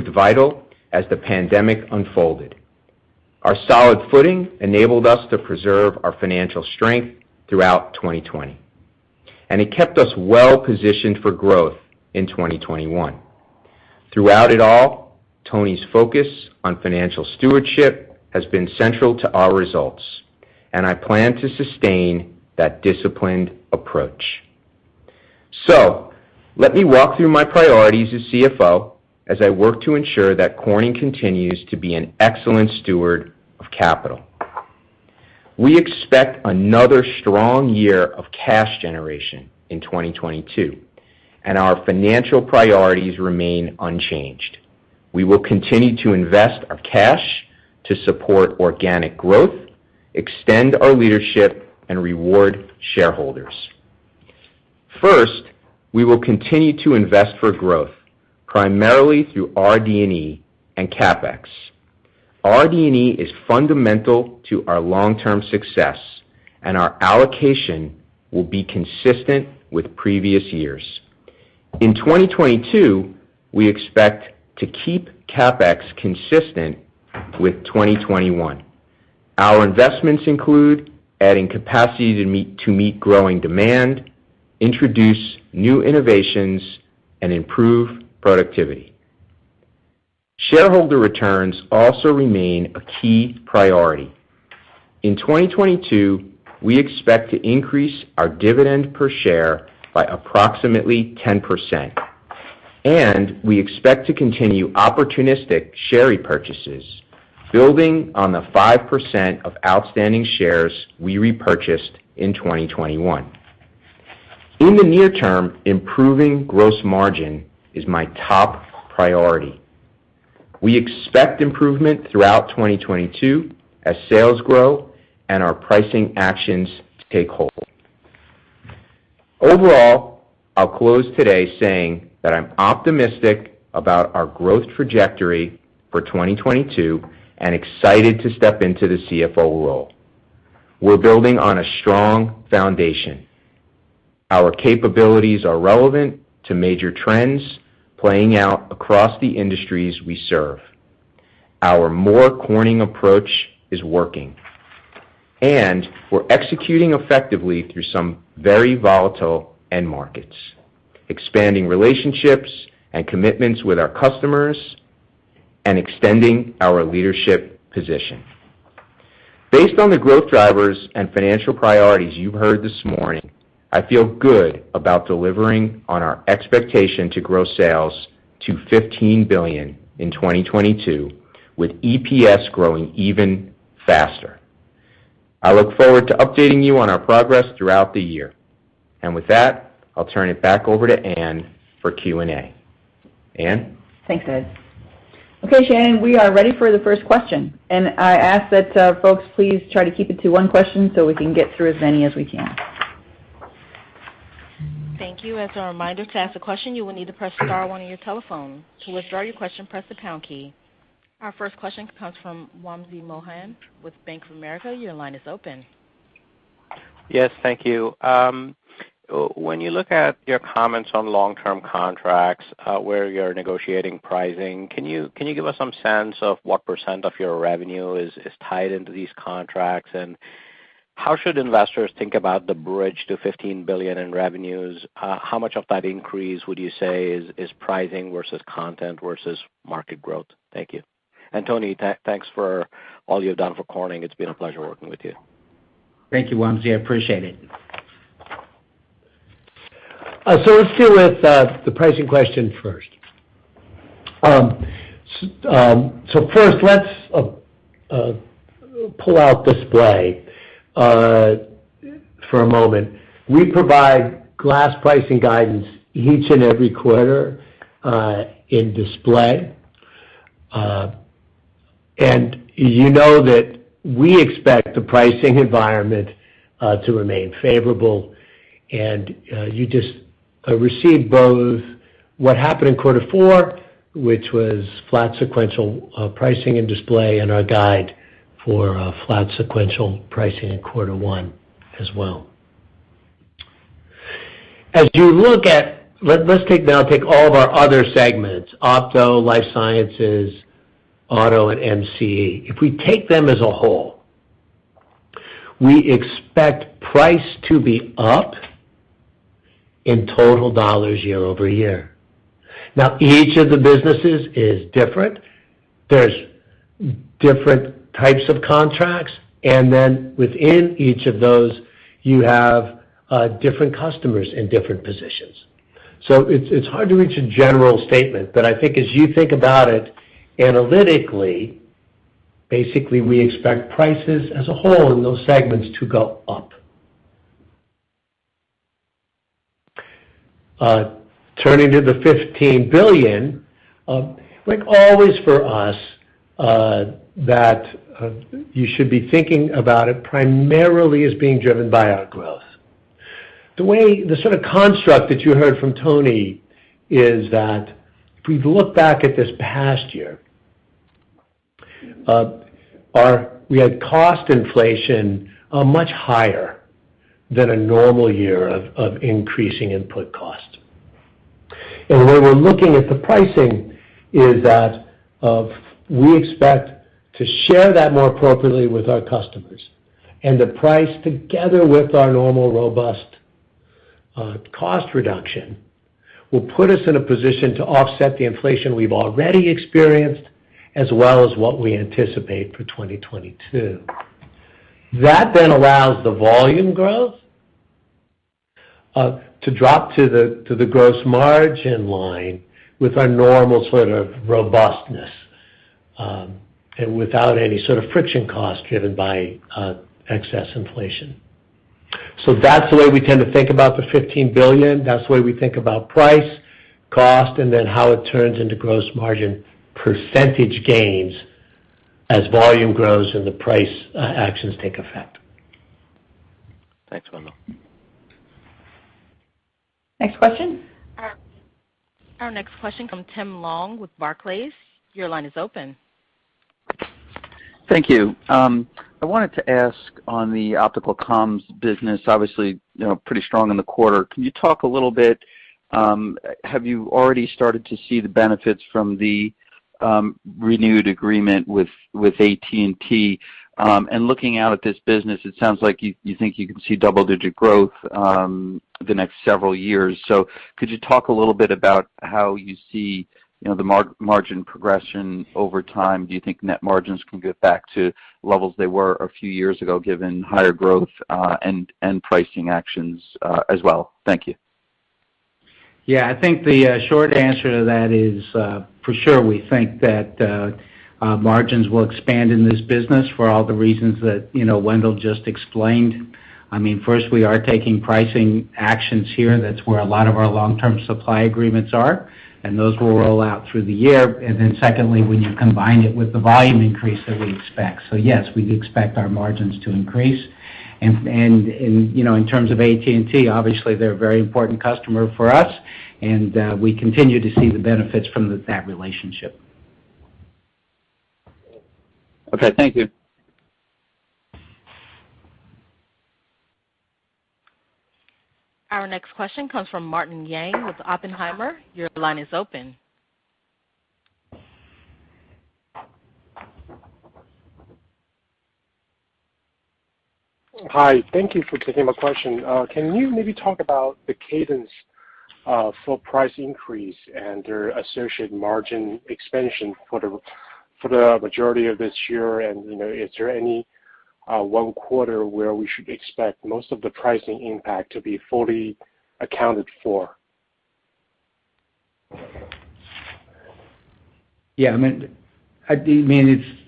vital as the pandemic unfolded. Our solid footing enabled us to preserve our financial strength throughout 2020, and it kept us well-positioned for growth in 2021. Throughout it all, Tony's focus on financial stewardship has been central to our results, and I plan to sustain that disciplined approach. Let me walk through my priorities as CFO as I work to ensure that Corning continues to be an excellent steward of capital. We expect another strong year of cash generation in 2022, and our financial priorities remain unchanged. We will continue to invest our cash to support organic growth, extend our leadership, and reward shareholders. First, we will continue to invest for growth, primarily through RD&E and CapEx. RD&E is fundamental to our long-term success, and our allocation will be consistent with previous years. In 2022, we expect to keep CapEx consistent with 2021. Our investments include adding capacity to meet growing demand, introduce new innovations, and improve productivity. Shareholder returns also remain a key priority. In 2022, we expect to increase our dividend per share by approximately 10%, and we expect to continue opportunistic share repurchases, building on the 5% of outstanding shares we repurchased in 2021. In the near term, improving gross margin is my top priority. We expect improvement throughout 2022 as sales grow and our pricing actions take hold. Overall, I'll close today saying that I'm optimistic about our growth trajectory for 2022 and excited to step into the CFO role. We're building on a strong foundation. Our capabilities are relevant to major trends playing out across the industries we serve. Our More Corning approach is working. We're executing effectively through some very volatile end markets, expanding relationships and commitments with our customers, and extending our leadership position. Based on the growth drivers and financial priorities you've heard this morning, I feel good about delivering on our expectation to grow sales to $15 billion in 2022, with EPS growing even faster. I look forward to updating you on our progress throughout the year. With that, I'll turn it back over to Ann for Q&A. Ann? Thanks, Ed. Okay, Shannon, we are ready for the first question, and I ask that, folks, please try to keep it to one question so we can get through as many as we can. Thank you. As a reminder to ask a question, you will need to press star one on your telephone. To withdraw your question, press the pound key. Our first question comes from Wamsi Mohan with Bank of America. Your line is open. Yes, thank you. When you look at your comments on long-term contracts, where you're negotiating pricing, can you give us some sense of what percent of your revenue is tied into these contracts? How should investors think about the bridge to $15 billion in revenues? How much of that increase would you say is pricing versus content versus market growth? Thank you. Tony, thanks for all you've done for Corning. It's been a pleasure working with you. Thank you, Wamsi. I appreciate it. Let's deal with the pricing question first. First, let's pull out display for a moment. We provide glass pricing guidance each and every quarter in display. You know that we expect the pricing environment to remain favorable, and you just received both what happened in quarter four, which was flat sequential pricing in display and our guide for flat sequential pricing in quarter one as well. As you look at, let's take all of our other segments, Opto, Life Sciences, Auto, and MCE. If we take them as a whole, we expect price to be up in total dollars year-over-year. Now, each of the businesses is different. There's different types of contracts, and then within each of those, you have different customers in different positions. It's hard to reach a general statement. I think as you think about it analytically, basically, we expect prices as a whole in those segments to go up. Turning to the $15 billion, like always for us, you should be thinking about it primarily as being driven by our growth. The way, the sort of construct that you heard from Tony is that if we look back at this past year, we had cost inflation, much higher than a normal year of increasing input cost. The way we're looking at the pricing is that we expect to share that more appropriately with our customers, and the price, together with our normal robust cost reduction, will put us in a position to offset the inflation we've already experienced, as well as what we anticipate for 2022. That then allows the volume growth to drop to the gross margin line with our normal sort of robustness, and without any sort of friction cost driven by excess inflation. That's the way we tend to think about the $15 billion. That's the way we think about price, cost, and then how it turns into gross margin percentage gains as volume grows and the price actions take effect. Thanks, Wendell. Next question. Our next question comes from Tim Long with Barclays. Your line is open. Thank you. I wanted to ask on the optical comms business, obviously, you know, pretty strong in the quarter. Can you talk a little bit? Have you already started to see the benefits from the renewed agreement with AT&T? Looking out at this business, it sounds like you think you can see double-digit growth the next several years. Could you talk a little bit about how you see, you know, the margin progression over time? Do you think net margins can get back to levels they were a few years ago, given higher growth and pricing actions, as well? Thank you. Yeah. I think the short answer to that is for sure, we think that margins will expand in this business for all the reasons that, you know, Wendell just explained. I mean, first, we are taking pricing actions here. That's where a lot of our long-term supply agreements are, and those will roll out through the year. Secondly, when you combine it with the volume increase that we expect. Yes, we expect our margins to increase. In, you know, in terms of AT&T, obviously they're a very important customer for us, and we continue to see the benefits from that relationship. Okay. Thank you. Our next question comes from Martin Yang with Oppenheimer. Your line is open. Hi. Thank you for taking my question. Can you maybe talk about the cadence for price increase and their associated margin expansion for the majority of this year? You know, is there any one quarter where we should expect most of the pricing impact to be fully accounted for? Yeah. I mean,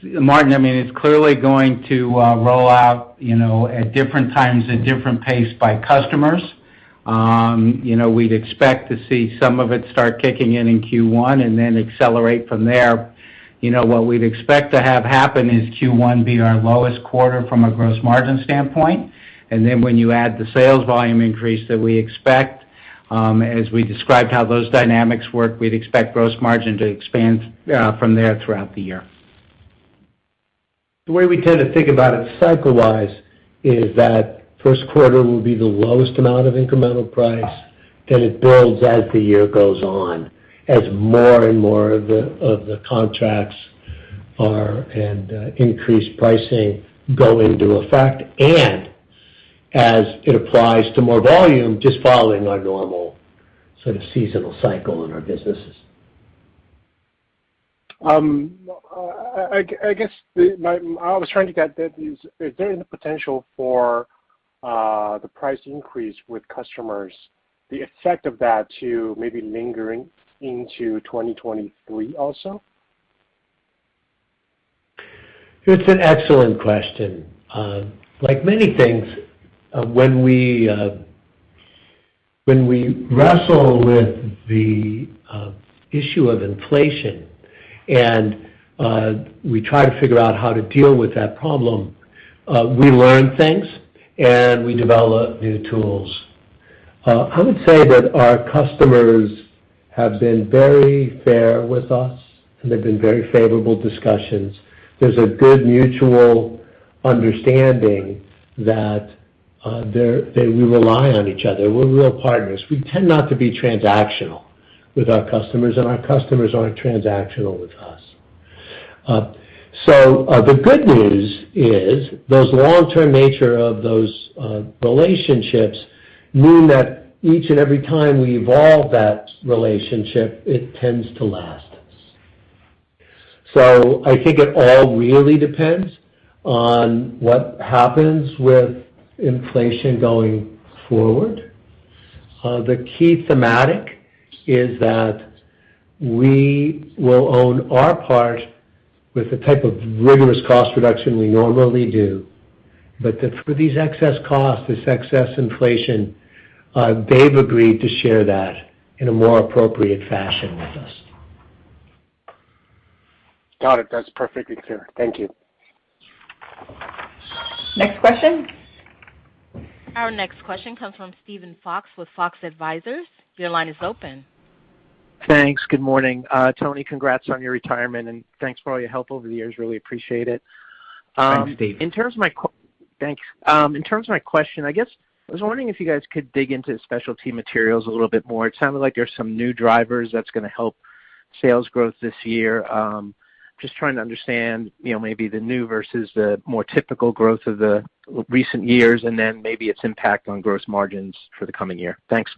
Martin, I mean, it's clearly going to roll out, you know, at different times at different pace by customers. You know, we'd expect to see some of it start kicking in in Q1 and then accelerate from there. You know, what we'd expect to have happen is Q1 being our lowest quarter from a gross margin standpoint. When you add the sales volume increase that we expect, as we described how those dynamics work, we'd expect gross margin to expand from there throughout the year. The way we tend to think about it cycle-wise is that Q1 will be the lowest amount of incremental price, then it builds as the year goes on, as more and more of the contracts and increased pricing go into effect, and as it applies to more volume just following our normal sort of seasonal cycle in our businesses. I guess I was trying to get at, is there any potential for the price increase with customers, the effect of that too maybe lingering into 2023 also? It's an excellent question. Like many things, when we wrestle with the issue of inflation and we try to figure out how to deal with that problem, we learn things, and we develop new tools. I would say that our customers have been very fair with us, and they've been very favorable discussions. There's a good mutual understanding that we rely on each other. We're real partners. We tend not to be transactional with our customers, and our customers aren't transactional with us. The good news is those long-term nature of those relationships mean that each and every time we evolve that relationship, it tends to last. I think it all really depends on what happens with inflation going forward. The key theme is that we will own our part with the type of rigorous cost reduction we normally do, but that for these excess costs, this excess inflation, they've agreed to share that in a more appropriate fashion with us. Got it. That's perfectly clear. Thank you. Next question. Our next question comes from Steven Fox with Fox Advisors. Your line is open. Thanks. Good morning. Tony, congrats on your retirement, and thanks for all your help over the years. Really appreciate it. Thanks, Steve. Thanks. In terms of my question, I guess I was wondering if you guys could dig into Specialty Materials a little bit more. It sounded like there's some new drivers that's gonna help sales growth this year. Just trying to understand, you know, maybe the new versus the more typical growth of the recent years and then maybe its impact on gross margins for the coming year. Thanks.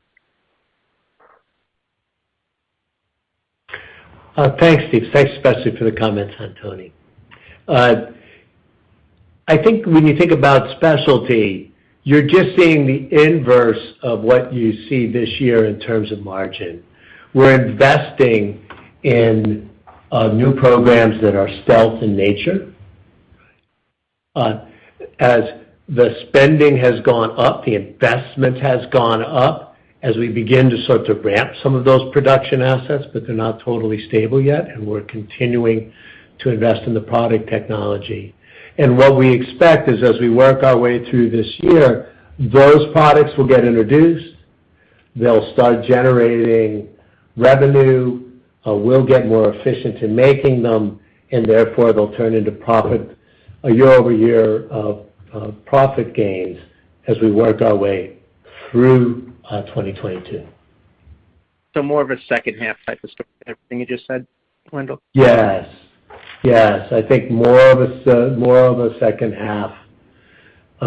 Thanks, Steve. Thanks especially for the comments on Tony. I think when you think about Specialty, you're just seeing the inverse of what you see this year in terms of margin. We're investing in new programs that are stealth in nature. As the spending has gone up, the investment has gone up as we begin to sort of ramp some of those production assets, but they're not totally stable yet, and we're continuing to invest in the product technology. What we expect is as we work our way through this year, those products will get introduced, they'll start generating revenue, we'll get more efficient in making them, and therefore, they'll turn into profit, a year-over-year of profit gains as we work our way through 2022. More of a H2 type of story with everything you just said, Wendell? Yes. I think more of a H2,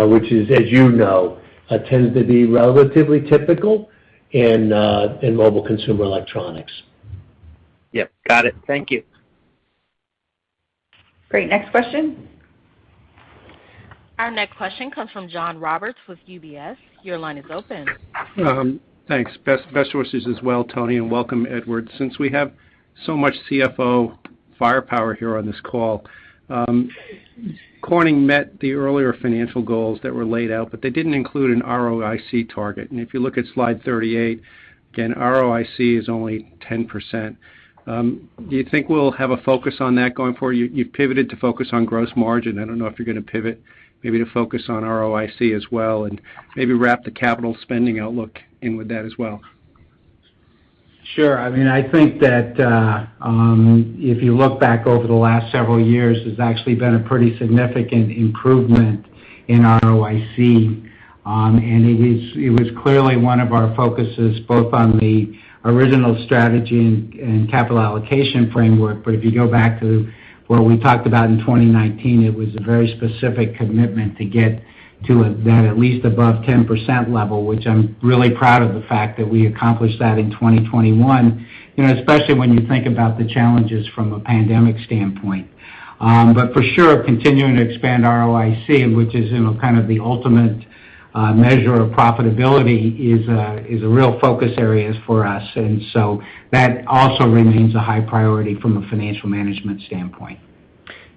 which is, as you know, tends to be relatively typical in mobile consumer electronics. Yep. Got it. Thank you. Great. Next question. Our next question comes from John Roberts with UBS. Your line is open. Thanks. Best wishes as well, Tony, and welcome, Ed. Since we have so much CFO firepower here on this call, Corning met the earlier financial goals that were laid out, but they didn't include an ROIC target. If you look at slide 38, again, ROIC is only 10%. Do you think we'll have a focus on that going forward? You've pivoted to focus on gross margin. I don't know if you're gonna pivot maybe to focus on ROIC as well and maybe wrap the capital spending outlook in with that as well. Sure. I mean, I think that if you look back over the last several years, there's actually been a pretty significant improvement in ROIC. It was clearly one of our focuses both on the original strategy and capital allocation framework. If you go back to what we talked about in 2019, it was a very specific commitment to get to that at least above 10% level, which I'm really proud of the fact that we accomplished that in 2021, you know, especially when you think about the challenges from a pandemic standpoint. For sure, continuing to expand ROIC, which is, you know, kind of the ultimate measure of profitability is a real focus areas for us. That also remains a high priority from a financial management standpoint.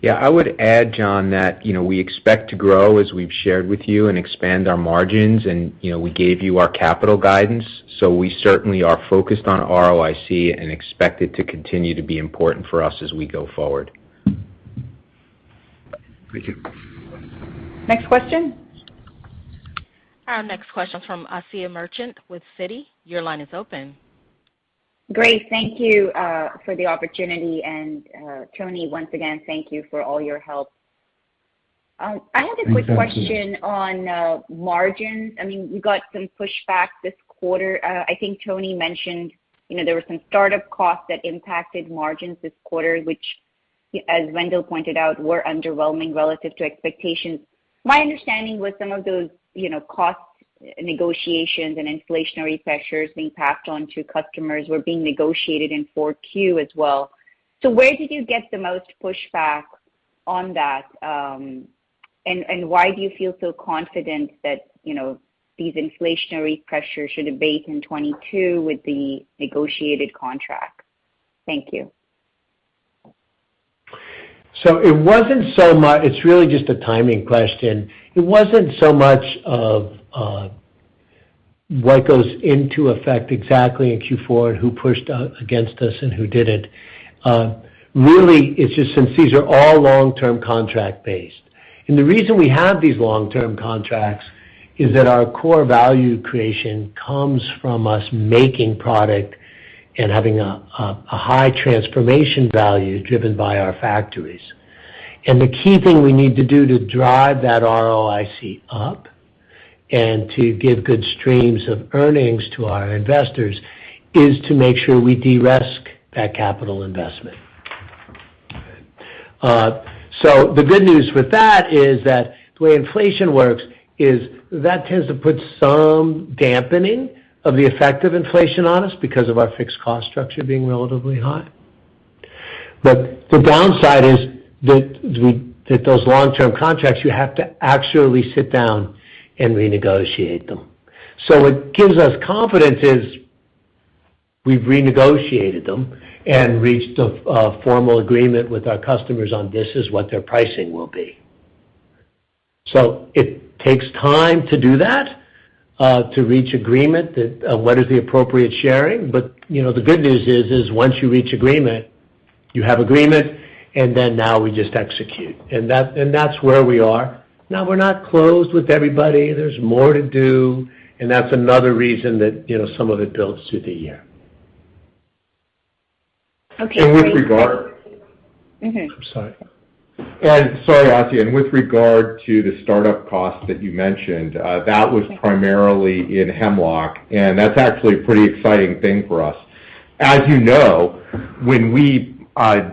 Yeah. I would add, John, that, you know, we expect to grow as we've shared with you and expand our margins and, you know, we gave you our capital guidance, so we certainly are focused on ROIC and expect it to continue to be important for us as we go forward. Thank you. Next question. Our next question from Asiya Merchant with Citi. Your line is open. Great. Thank you for the opportunity. Tony, once again, thank you for all your help. I had a quick question on margins. I mean, you got some pushback this quarter. I think Tony mentioned, you know, there were some startup costs that impacted margins this quarter, which as Wendell pointed out, were underwhelming relative to expectations. My understanding was some of those, you know, costs, negotiations and inflationary pressures being passed on to customers were being negotiated in 4Q as well. Where did you get the most pushback on that, and why do you feel so confident that, you know, these inflationary pressures should abate in 2022 with the negotiated contracts? Thank you. It's really just a timing question. It wasn't so much of what goes into effect exactly in Q4 and who pushed against us and who didn't. Really, it's just since these are all long-term contract based, and the reason we have these long-term contracts is that our core value creation comes from us making product and having a high transformation value driven by our factories. The key thing we need to do to drive that ROIC up and to give good streams of earnings to our investors is to make sure we de-risk that capital investment. The good news with that is that the way inflation works is that tends to put some dampening of the effect of inflation on us because of our fixed cost structure being relatively high. The downside is that those long-term contracts, you have to actually sit down and renegotiate them. What gives us confidence is we've renegotiated them and reached a formal agreement with our customers on this is what their pricing will be. It takes time to do that, to reach agreement that what is the appropriate sharing. You know, the good news is once you reach agreement, you have agreement, and then now we just execute. That, that's where we are. Now, we're not closed with everybody. There's more to do, and that's another reason that, you know, some of it builds through the year. Okay. Great. With regard. Mm-hmm. I'm sorry. Sorry, Asiya. With regard to the startup costs that you mentioned, that was primarily in Hemlock, and that's actually a pretty exciting thing for us. As you know, when we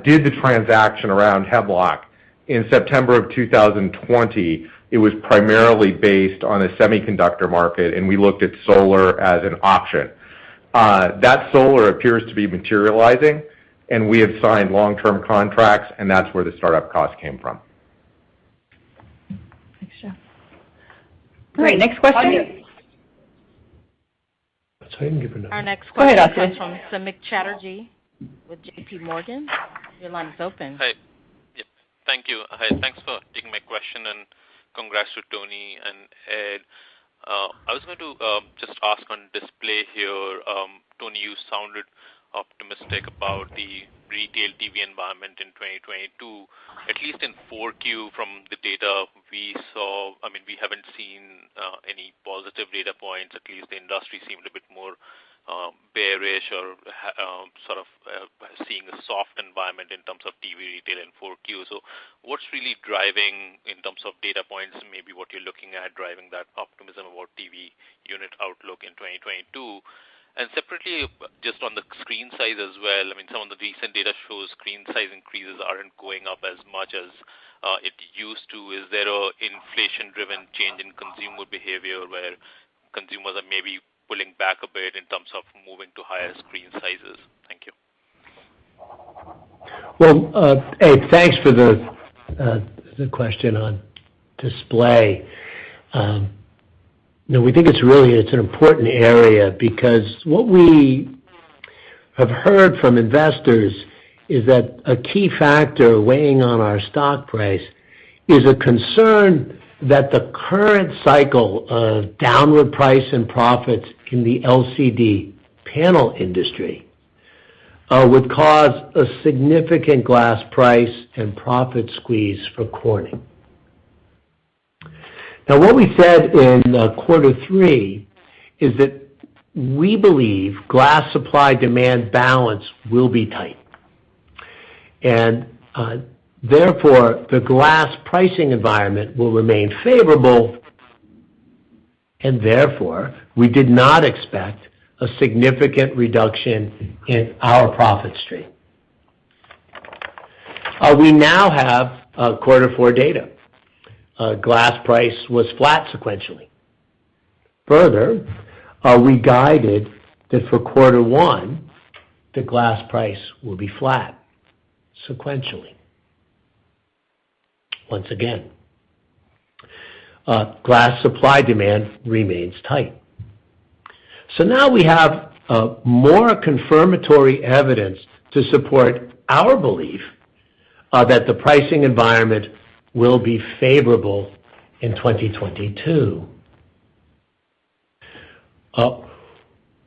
did the transaction around Hemlock in September of 2020, it was primarily based on a semiconductor market, and we looked at solar as an option. That solar appears to be materializing, and we have signed long-term contracts, and that's where the start-up cost came from. Thanks, Jeff. All right. Next question. Our next question is from Samik Chatterjee with JPMorgan. Your line is open. Thanks for taking my question, and congrats to Tony and Ed. I was going to just ask on Display here. Tony, you sounded optimistic about the retail TV environment in 2022, at least in 4Q from the data we saw. I mean, we haven't seen any positive data points. At least the industry seemed a bit more bearish or sort of seeing a soft environment in terms of TV retail in 4Q. What's really driving in terms of data points, maybe what you're looking at driving that optimism about TV unit outlook in 2022? And separately, just on the screen size as well, I mean, some of the recent data shows screen size increases aren't going up as much as it used to. Is there an inflation-driven change in consumer behavior where consumers are maybe pulling back a bit in terms of moving to higher screen sizes? Thank you. Well, Ed, thanks for the question on display. You know, we think it's really an important area because what we have heard from investors is that a key factor weighing on our stock price is a concern that the current cycle of downward price and profits in the LCD panel industry would cause a significant glass price and profit squeeze for Corning. Now, what we said in quarter three is that we believe glass supply-demand balance will be tight. Therefore, the glass pricing environment will remain favorable, and therefore, we did not expect a significant reduction in our profit stream. We now have quarter four data. Glass price was flat sequentially. Further, we guided that for quarter one, the glass price will be flat sequentially. Once again, glass supply demand remains tight. Now we have more confirmatory evidence to support our belief that the pricing environment will be favorable in 2022.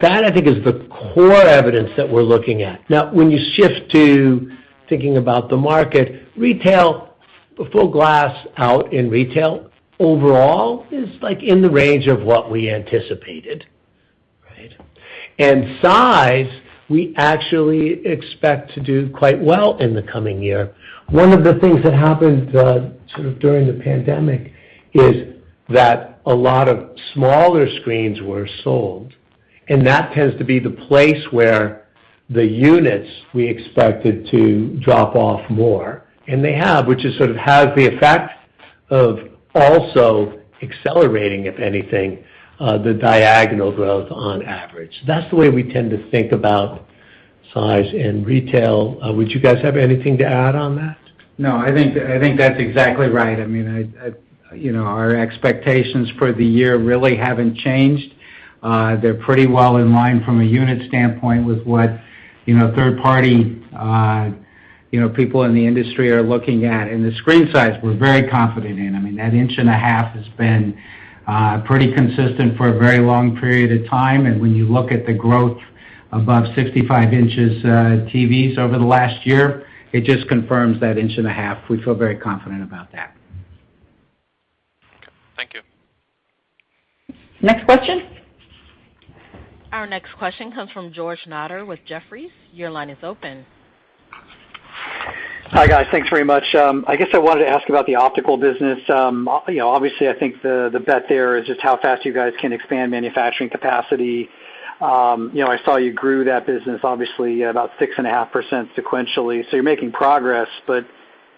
That I think is the core evidence that we're looking at. Now, when you shift to thinking about the market, retail full glass out in retail overall is, like, in the range of what we anticipated, right? Size, we actually expect to do quite well in the coming year. One of the things that happened sort of during the pandemic is that a lot of smaller screens were sold, and that tends to be the place where the units we expected to drop off more. They have, which sort of has the effect of also accelerating, if anything, the diagonal growth on average. That's the way we tend to think about size and retail. Would you guys have anything to add on that? No. I think that's exactly right. I mean, you know, our expectations for the year really haven't changed. They're pretty well in line from a unit standpoint with what, you know, third party, you know, people in the industry are looking at. The screen size, we're very confident in. I mean, that 1.5-inch has been pretty consistent for a very long period of time. When you look at the growth above 65 inches, TVs over the last year, it just confirms that 1.5-inch. We feel very confident about that. Thank you. Next question. Our next question comes from George Notter with Jefferies. Your line is open. Hi, guys. Thanks very much. I guess I wanted to ask about the optical business. You know, obviously, I think the bet there is just how fast you guys can expand manufacturing capacity. You know, I saw you grew that business obviously about 6.5% sequentially. You're making progress. But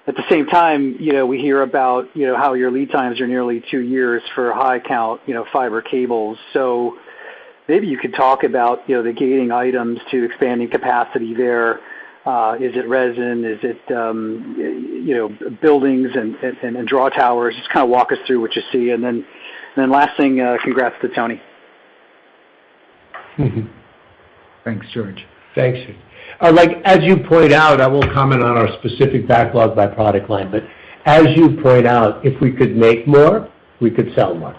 at the same time, you know, we hear about how your lead times are nearly two years for high-count fiber cables. So maybe you could talk about the gating items to expanding capacity there. Is it resin? Is it, you know, buildings and draw towers? Just kinda walk us through what you see. Then last thing, congrats to Tony. Thanks, George. Thanks, George. Like as you point out, I won't comment on our specific backlog by product line. As you point out, if we could make more, we could sell more.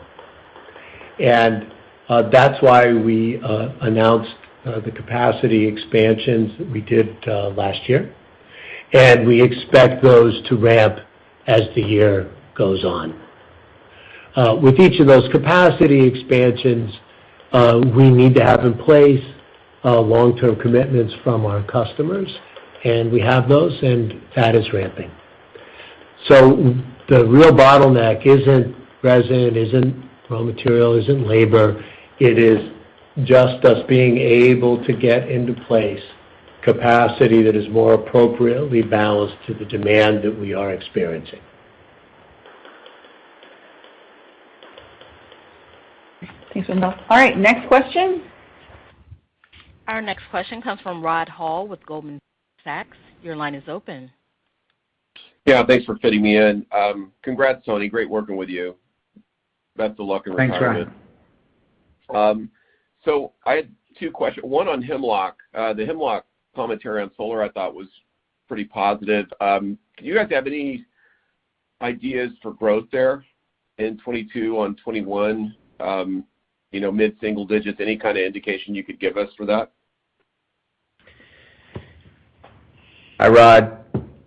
That's why we announced the capacity expansions that we did last year, and we expect those to ramp as the year goes on. With each of those capacity expansions, we need to have in place long-term commitments from our customers, and we have those, and that is ramping. The real bottleneck isn't resin, isn't raw material, isn't labor. It is just us being able to get into place capacity that is more appropriately balanced to the demand that we are experiencing. Thanks so much. All right, next question. Our next question comes from Rod Hall with Goldman Sachs. Your line is open. Yeah, thanks for fitting me in. Congrats, Tony. Great working with you. Best of luck in retirement. Thanks, Rod. I had two questions, one on Hemlock. The Hemlock commentary on solar, I thought was pretty positive. Do you guys have any ideas for growth there in 2022 on 2021, mid-single digits? Any kind of indication you could give us for that? Hi, Rod.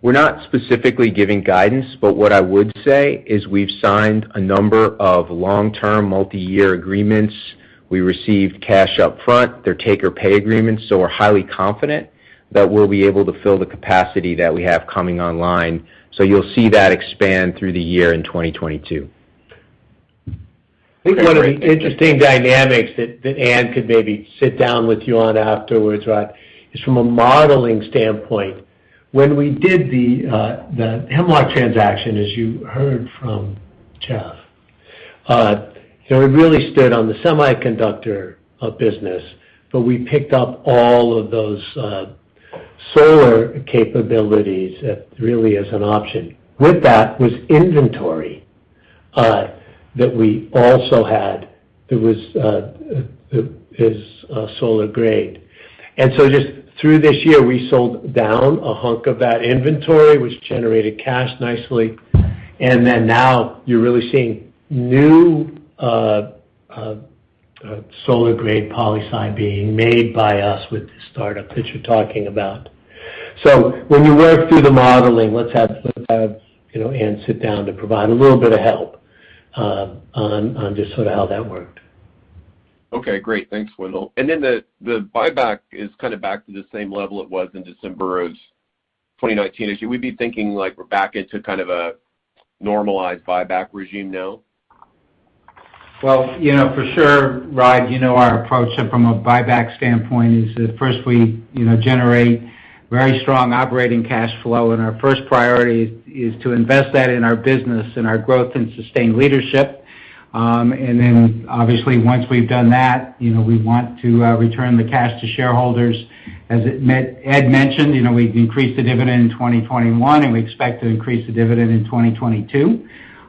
We're not specifically giving guidance, but what I would say is we've signed a number of long-term multi-year agreements. We received cash up front. They're take or pay agreements, so we're highly confident that we'll be able to fill the capacity that we have coming online. You'll see that expand through the year in 2022. Great. Thank you. I think one of the interesting dynamics that Ann could maybe sit down with you on afterwards, Rod, is from a modeling standpoint. When we did the Hemlock transaction, as you heard from Jeff, it really stood on the semiconductor business, but we picked up all of those solar capabilities that really is an option. With that was inventory that we also had that was solar grade. Just through this year, we sold down a hunk of that inventory, which generated cash nicely. Now you're really seeing new solar grade polysil being made by us with the startup that you're talking about. When you work through the modeling, let's have you know, Ann sit down to provide a little bit of help, on just sort of how that worked. Okay, great. Thanks, Wendell. The buyback is kind of back to the same level it was in December of 2019. Should we be thinking like we're back into kind of a normalized buyback regime now? Well, you know, for sure, Rod, you know our approach and from a buyback standpoint is that first we, you know, generate very strong operating cash flow and our first priority is to invest that in our business and our growth and sustained leadership. And then obviously once we've done that, you know, we want to return the cash to shareholders. As Ed mentioned, you know, we increased the dividend in 2021, and we expect to increase the dividend in 2022.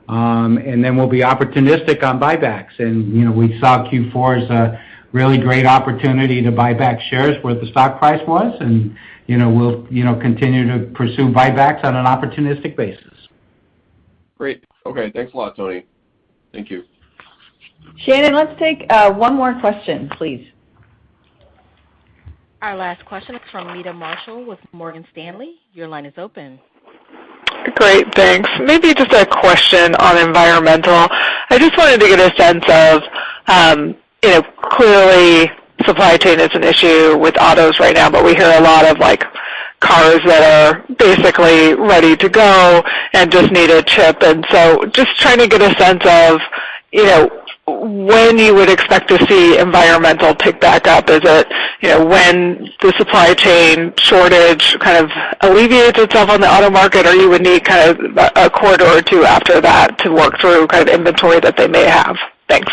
And then we'll be opportunistic on buybacks. You know, we saw Q4 as a really great opportunity to buy back shares where the stock price was. You know, we'll continue to pursue buybacks on an opportunistic basis. Great. Okay. Thanks a lot, Tony. Thank you. Shannon, let's take one more question, please. Our last question is from Meta Marshall with Morgan Stanley. Your line is open. Great, thanks. Maybe just a question on environmental. I just wanted to get a sense of, you know, clearly supply chain is an issue with autos right now, but we hear a lot of like cars that are basically ready to go and just need a chip. Just trying to get a sense of, you know, when you would expect to see environmental pick back up. Is it, you know, when the supply chain shortage kind of alleviates itself on the auto market, or you would need kind of a quarter or two after that to work through kind of inventory that they may have? Thanks.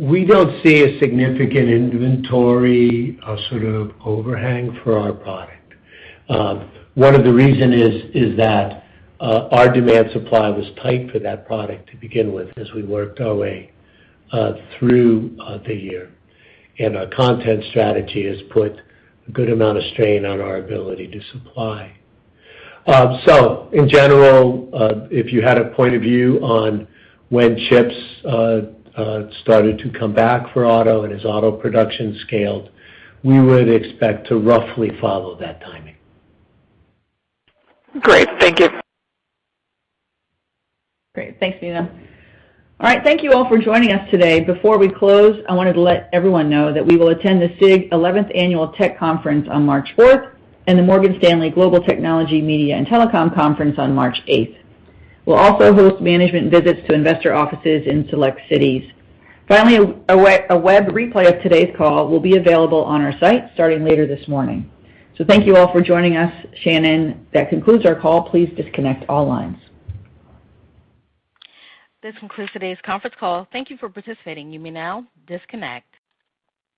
We don't see a significant inventory, sort of overhang for our product. One of the reason is that our demand supply was tight for that product to begin with as we worked our way through the year. Our content strategy has put a good amount of strain on our ability to supply. In general, if you had a point of view on when chips started to come back for auto and as auto production scaled, we would expect to roughly follow that timing. Great. Thank you. Great. Thanks, Meta. All right. Thank you all for joining us today. Before we close, I wanted to let everyone know that we will attend the SIG 11th Annual Tech Conference on March fourth, and the Morgan Stanley Global Technology, Media and Telecom Conference on March eighth. We'll also host management visits to investor offices in select cities. Finally, a web replay of today's call will be available on our site starting later this morning. Thank you all for joining us. Shannon, that concludes our call. Please disconnect all lines. This concludes today's conference call. Thank you for participating. You may now disconnect.